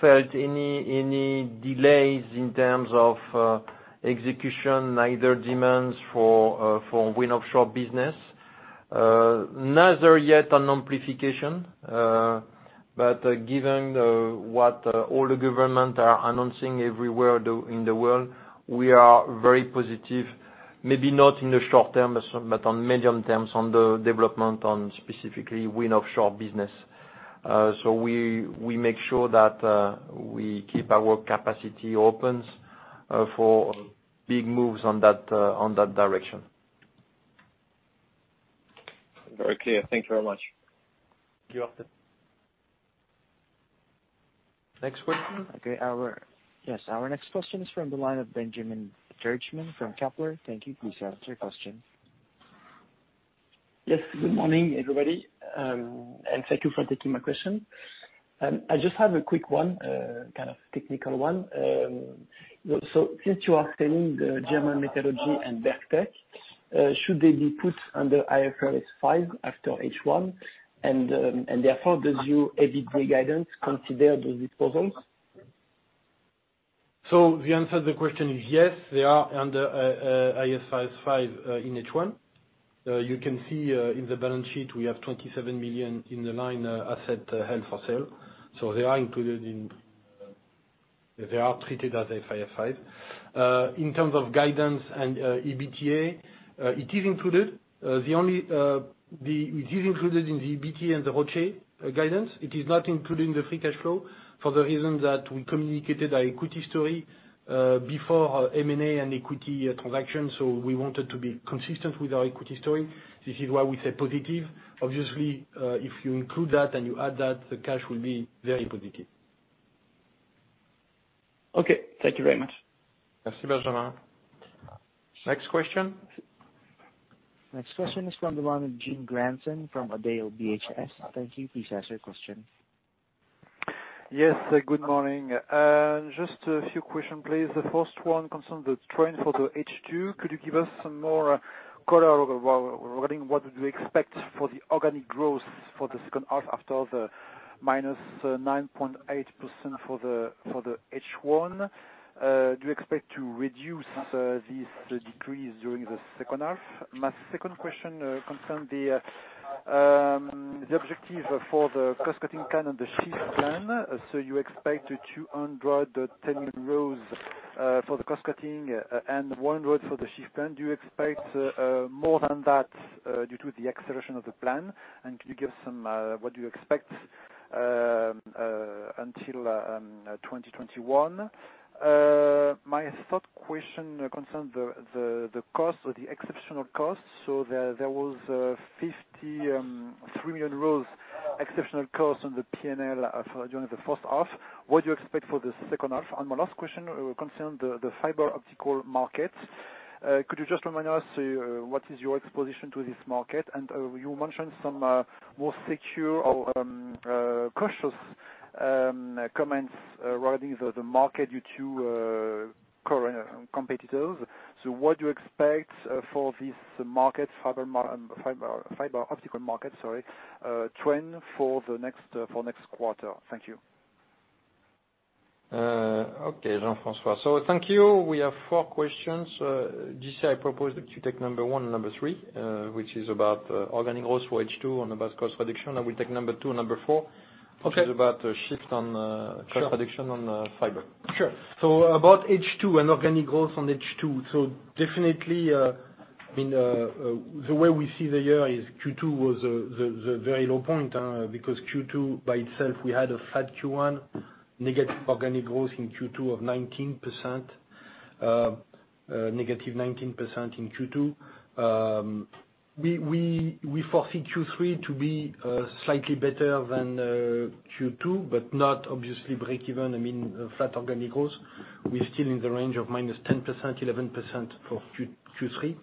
felt any delays in terms of execution, neither demands for wind offshore business. Neither yet an amplification but given what all the government are announcing everywhere in the world, we are very positive, maybe not in the short term, as some, but on medium terms, on the development on specifically wind offshore business. So we make sure that we keep our capacity open for big moves on that direction. Very clear. Thank you very much. You're welcome. Next question? Okay, yes, our next question is from the line of Benjamin Terdjman from Kepler. Thank you. Please ask your question. Yes, good morning, everybody, and thank you for taking my question. I just have a quick one, kind of technical one. So, since you are selling the German metallurgy and Berk-Tek, should they be put under IFRS 5 after H1? And therefore, does your EBITDA guidance consider the disposals? So the answer to the question is yes, they are under IFRS 5 in H1. You can see in the balance sheet, we have 27 million in the line asset held for sale. So they are included in—they are treated as IFRS 5. In terms of guidance and EBITDA, it is included. It is included in the EBITDA and the ROCE guidance. It is not included in the free cash flow for the reason that we communicated our equity story before our M&A and equity transaction. So we wanted to be consistent with our equity story. This is why we say positive. Obviously, if you include that and you add that, the cash will be very positive. Okay. Thank you very much. Merci, Benjamin. Next question? Next question is from the line of Jean Granjon from ODDO BHF. Thank you. Please ask your question. Yes, good morning. Just a few questions, please. The first one concerns the trend for the H2. Could you give us some more color regarding what do you expect for the organic growth for the second half, after the -9.8% for the H1? Do you expect to reduce this decrease during the second half? My second question concerns the objective for the cost cutting and the SHIFT Plan. So you expect 210 million for the cost cutting and 1 million for the SHIFT Plan. Do you expect more than that due to the acceleration of the plan? And can you give some what do you expect until 2021? My third question concerns the cost or the exceptional costs. So there was 53 million euros exceptional costs on the PNL for during the first half. What do you expect for the second half? And my last question will concern the fiber optic market. Could you just remind us what is your exposure to this market? And you mentioned some more subdued or cautious comments regarding the market due to competitors. So what do you expect for this market, fiber optic market, sorry, trend for the next quarter? Thank you. Okay, Jean-François. So thank you. We have four questions. JC, I propose that you take number one and number three, which is about organic growth for H2 and about cost reduction. I will take number two and number four- Okay. -which is about the shifts on cost reduction on fiber. Sure. So about H2 and organic growth on H2, so definitely, I mean, the way we see the year is Q2 was the very low point, because Q2, by itself, we had a flat Q1, negative organic growth in Q2 of 19%, negative 19% in Q2. We foresee Q3 to be slightly better than Q2, but not obviously breakeven, I mean, flat organic growth. We're still in the range of -10%-11% for Q3.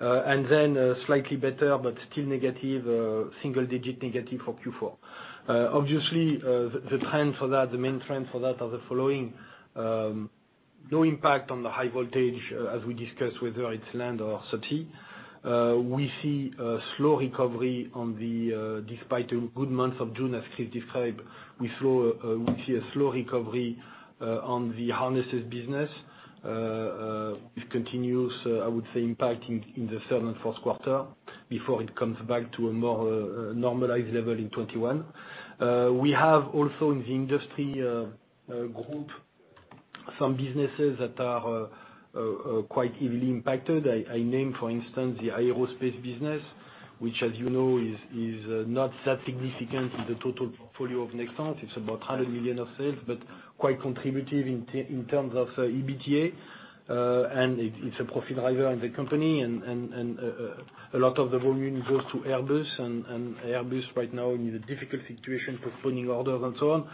And then, slightly better, but still negative, single digit negative for Q4. Obviously, the trend for that, the main trend for that are the following, no impact on the high voltage, as we discussed, whether it's land or sea. We see a slow recovery on the, despite a good month of June, as Christine described, we see a slow recovery on the harnesses business. It continues, I would say, impacting in the third and fourth quarter before it comes back to a more normalized level in 2021. We have also, in the industry group, some businesses that are quite heavily impacted. I name, for instance, the aerospace business, which, as you know, is not that significant in the total portfolio of Nexans. It's about 100 million of sales, but quite contributive in terms of EBITDA. And it's a profit driver in the company, and a lot of the volume goes to Airbus, and Airbus right now in a difficult situation, postponing orders and so on.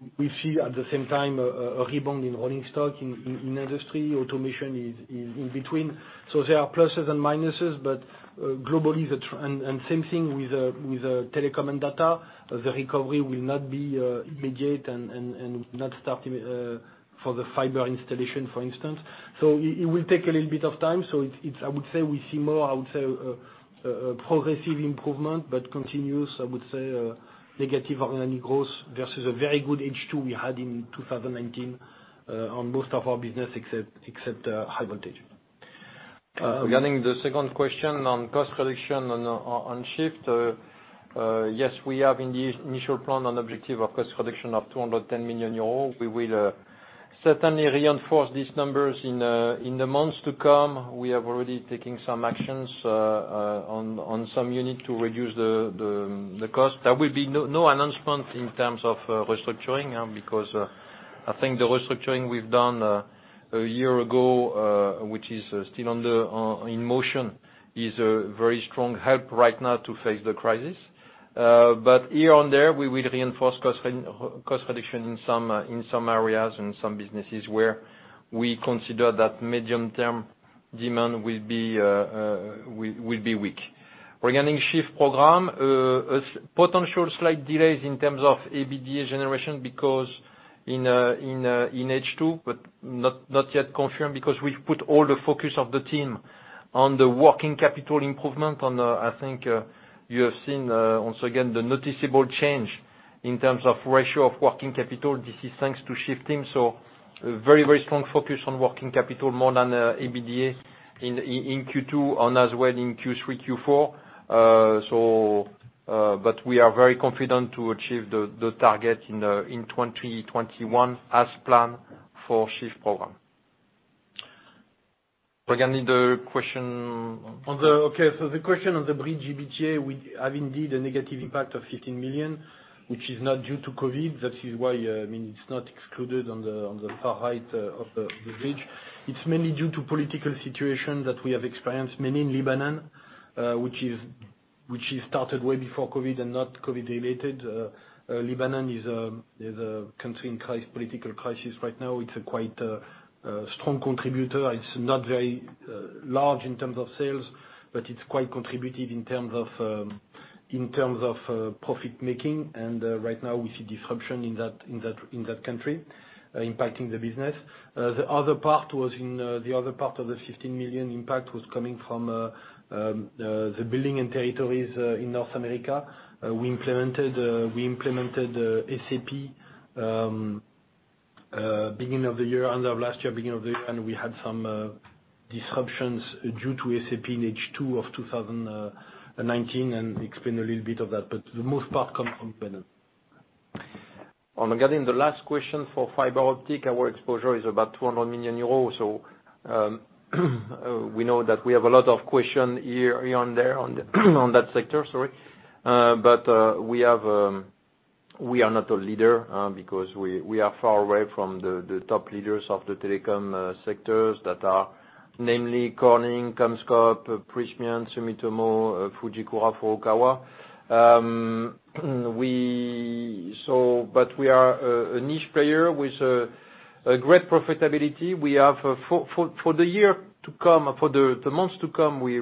So we see at the same time, a rebound in rolling stock in industry. Automation is in between. So there are pluses and minuses, but globally, and same thing with telecom and data. The recovery will not be immediate and not starting for the fiber installation, for instance. So it will take a little bit of time. So it's. I would say we see more, I would say, a progressive improvement, but continuous, I would say, negative organic growth versus a very good H2 we had in 2019, on most of our business except, except, high voltage. Regarding the second question on cost reduction on SHIFT. Yes, we have indeed initial plan and objective of cost reduction of 210 million euros. We will certainly reinforce these numbers in the months to come. We have already taken some actions on some unit to reduce the cost. There will be no announcement in terms of restructuring, because I think the restructuring we've done a year ago, which is still in motion, is a very strong help right now to face the crisis. But here and there, we will reinforce cost reduction in some areas and some businesses where we consider that medium-term demand will be weak. Regarding SHIFT program, potential slight delays in terms of EBITDA generation, because in H2, but not yet confirmed, because we've put all the focus of the team on the working capital improvement. I think you have seen, once again, the noticeable change in terms of ratio of working capital. This is thanks to SHIFT team. So very, very strong focus on working capital more than EBITDA in Q2 and as well in Q3, Q4. But we are very confident to achieve the target in 2021, as planned for SHIFT program. Regarding the question on- Okay, so the question on the bridge EBITDA, we have indeed a negative impact of 15 million, which is not due to COVID. That is why, I mean, it's not excluded on the far right of the bridge. It's mainly due to political situation that we have experienced, mainly in Lebanon, which is started way before COVID and not COVID related. Lebanon is a country in crisis, political crisis right now. It's quite a strong contributor. It's not very large in terms of sales, but it's quite contributive in terms of profit making. Right now we see disruption in that country impacting the business. The other part was in the other part of the 15 million impact was coming from the building and territories in North America. We implemented, we implemented, SAP beginning of the year, end of last year, beginning of the year, and we had some disruptions due to SAP in H2 of 2019, and we explained a little bit of that, but the most part come from Lebanon. On regarding the last question for fiber optic, our exposure is about 200 million euros. So, we know that we have a lot of question here, on there, on, on that sector. Sorry. But, we have, we are not a leader, because we, we are far away from the, the top leaders of the telecom, sectors that are namely Corning, CommScope, Prysmian, Sumitomo, Fujikura, Furukawa. We-- so but we are, a niche player with, a great profitability. We have for the year to come, for the months to come, we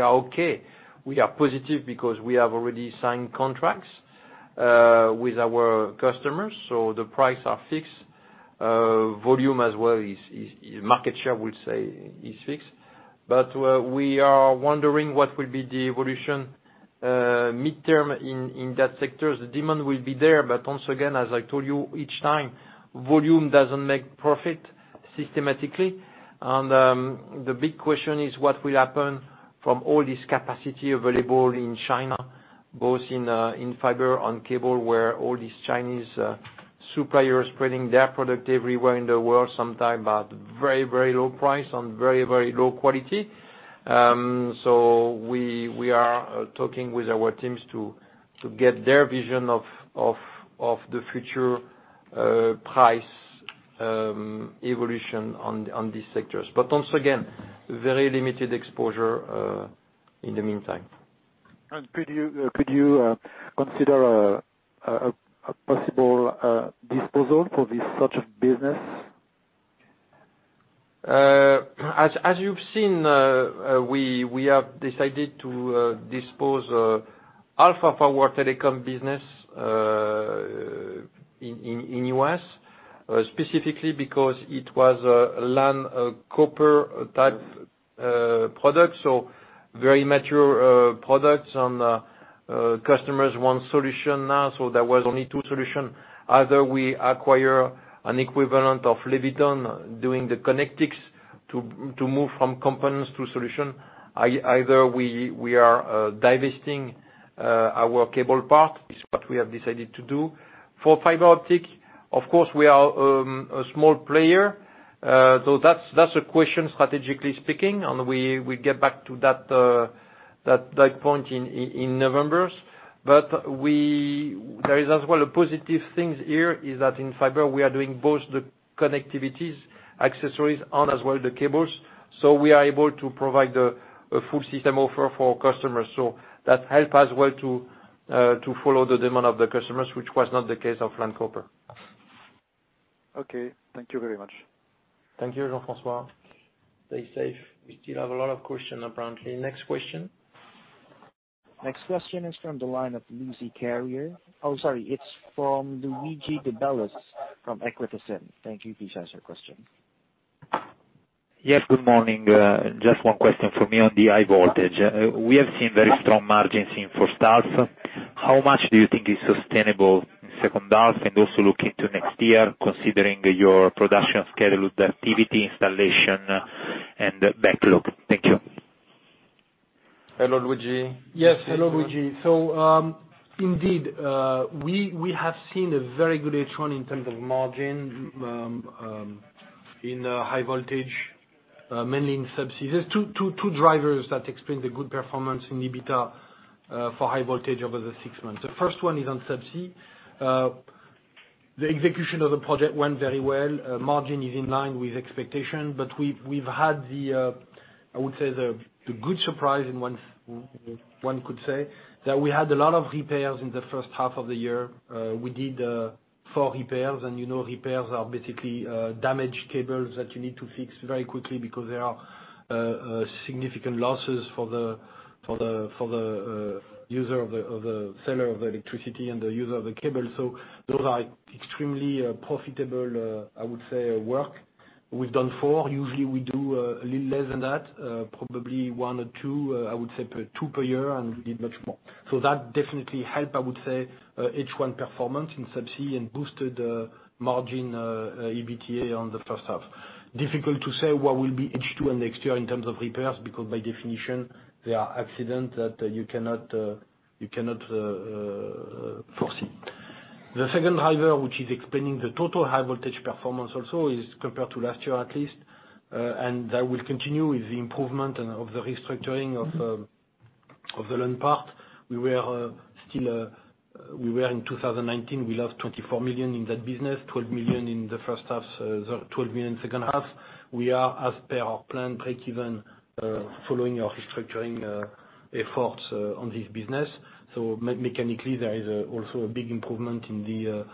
are okay. We are positive because we have already signed contracts with our customers, so the price are fixed. Volume as well is market share, we'll say, is fixed. But we are wondering what will be the evolution midterm in that sector. The demand will be there, but once again, as I told you, each time, volume doesn't make profit systematically. And the big question is what will happen from all this capacity available in China, both in fiber and cable, where all these Chinese suppliers spreading their product everywhere in the world, sometime at very, very low price and very, very low quality. So we are talking with our teams to get their vision of the future price evolution on these sectors. But once again, very limited exposure in the meantime. Could you consider a possible disposal for this such a business? As you've seen, we have decided to dispose half of our telecom business in the U.S., specifically because it was a LAN, a copper-type product, so very mature products on the customers one solution now. So there was only two solution. Either we acquire an equivalent of Leviton doing the connectics to move from components to solution. Either we are divesting our cable part, is what we have decided to do. For fiber optic, of course, we are a small player. So that's a question, strategically speaking, and we get back to that point in November. But we, there is as well a positive things here, is that in fiber, we are doing both the connectivities, accessories, and as well the cables, so we are able to provide a full system offer for our customers. So that help us well to follow the demand of the customers, which was not the case of LAN copper. Okay. Thank you very much. Thank you, Jean-François. Stay safe. We still have a lot of questions, apparently. Next question? Next question is from the line of Lucie Carrier. Oh, sorry. It's from Luigi De Bellis, from Equita. Thank you. Please ask your question. Yes, good morning. Just one question for me on the high voltage. We have seen very strong margins in first half. How much do you think is sustainable in second half, and also look into next year, considering your production schedule, the activity, installation, and backlog? Thank you. Hello, Luigi. Yes, hello, Luigi. So, indeed, we have seen a very good H1 in terms of margin in high voltage, mainly in subsea. There are 2 drivers that explain the good performance in EBITDA for high voltage over the 6 months. The first one is on subsea. The execution of the project went very well. Margin is in line with expectation, but we've had the good surprise, and one could say, that we had a lot of repairs in the first half of the year. We did four repairs, and you know, repairs are basically damaged cables that you need to fix very quickly because there are significant losses for the user of the seller of the electricity and the user of the cable. So those are extremely profitable, I would say, work. We've done four. Usually we do a little less than that, probably one or two, I would say, per two per year, and we did much more. So that definitely help, I would say, H1 performance in subsea and boosted margin EBITDA on the first half. Difficult to say what will be H2 and next year in terms of repairs, because by definition, they are accident that you cannot foresee. The second driver, which is explaining the total high voltage performance also, is compared to last year at least, and that will continue with the improvement and of the restructuring of, of the land part. We were, still, we were in 2019, we lost 24 million in that business, 12 million in the first half, 12 million second half. We are as per our plan, breakeven, following our restructuring, efforts, on this business. So mechanically, there is, also a big improvement in the,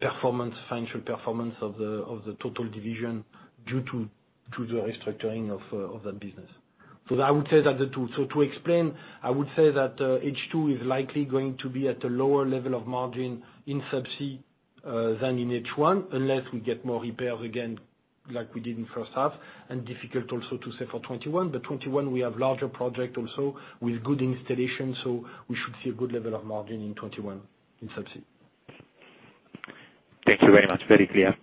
performance, financial performance of the, of the total division due to, due to the restructuring of, of that business. So to explain, I would say that H2 is likely going to be at a lower level of margin in Subsea than in H1, unless we get more repairs again, like we did in first half, and difficult also to say for 2021. But 2021 we have larger project also with good installation, so we should see a good level of margin in 2021 in Subsea. Thank you very much. Very clear.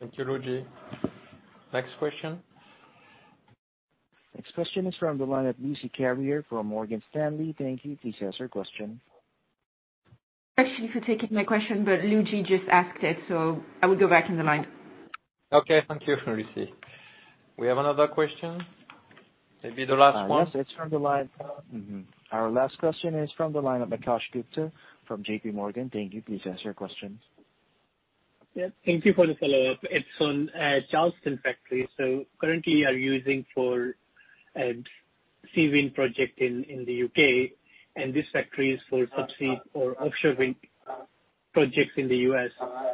Thank you, Luigi. Next question? Next question is from the line of Lucie Carrier from Morgan Stanley. Thank you. Please ask your question. Actually, for taking my question, but Luigi just asked it, so I will go back in the line. Okay, thank you, Lucie. We have another question? Maybe the last one. Yes, it's from the line. Mm-hmm. Our last question is from the line of Akash Gupta from J.P. Morgan. Thank you. Please ask your question. Yeah, thank you for the follow-up. It's on Charleston factory. So currently you are using for Seagreen project in the UK, and this factory is for subsea or offshore wind projects in the US.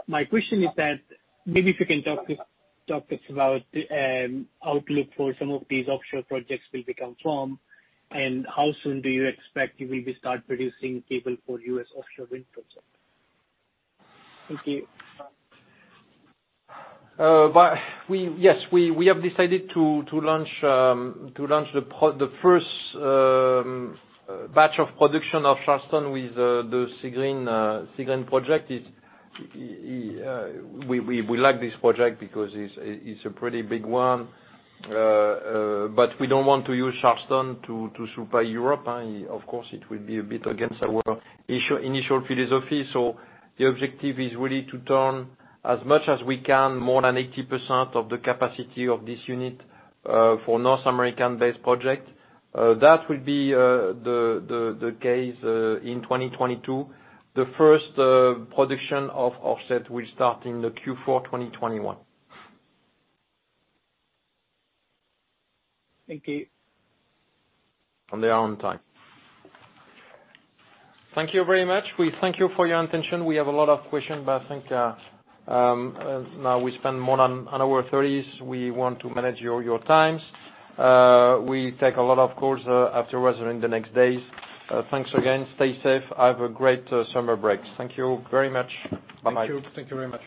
My question is that, maybe if you can talk to us about outlook for some of these offshore projects will come from, and how soon do you expect you will start producing cable for US offshore wind project? Thank you. But we have decided to launch the first batch of production of Charleston with the Seagreen project. We like this project because it's a pretty big one. But we don't want to use Charleston to supply Europe, and of course, it will be a bit against our initial philosophy. So the objective is really to turn as much as we can, more than 80% of the capacity of this unit for North American-based project. That will be the case in 2022. The first production of offshore will start in the Q4 2021. Thank you. On their own time. Thank you very much. We thank you for your attention. We have a lot of question, but I think, now we spend more than an hour and 30. We want to manage your, your times. We take a lot of calls, after words in the next days. Thanks again. Stay safe. Have a great summer break. Thank you very much. Bye-bye. Thank you. Thank you very much.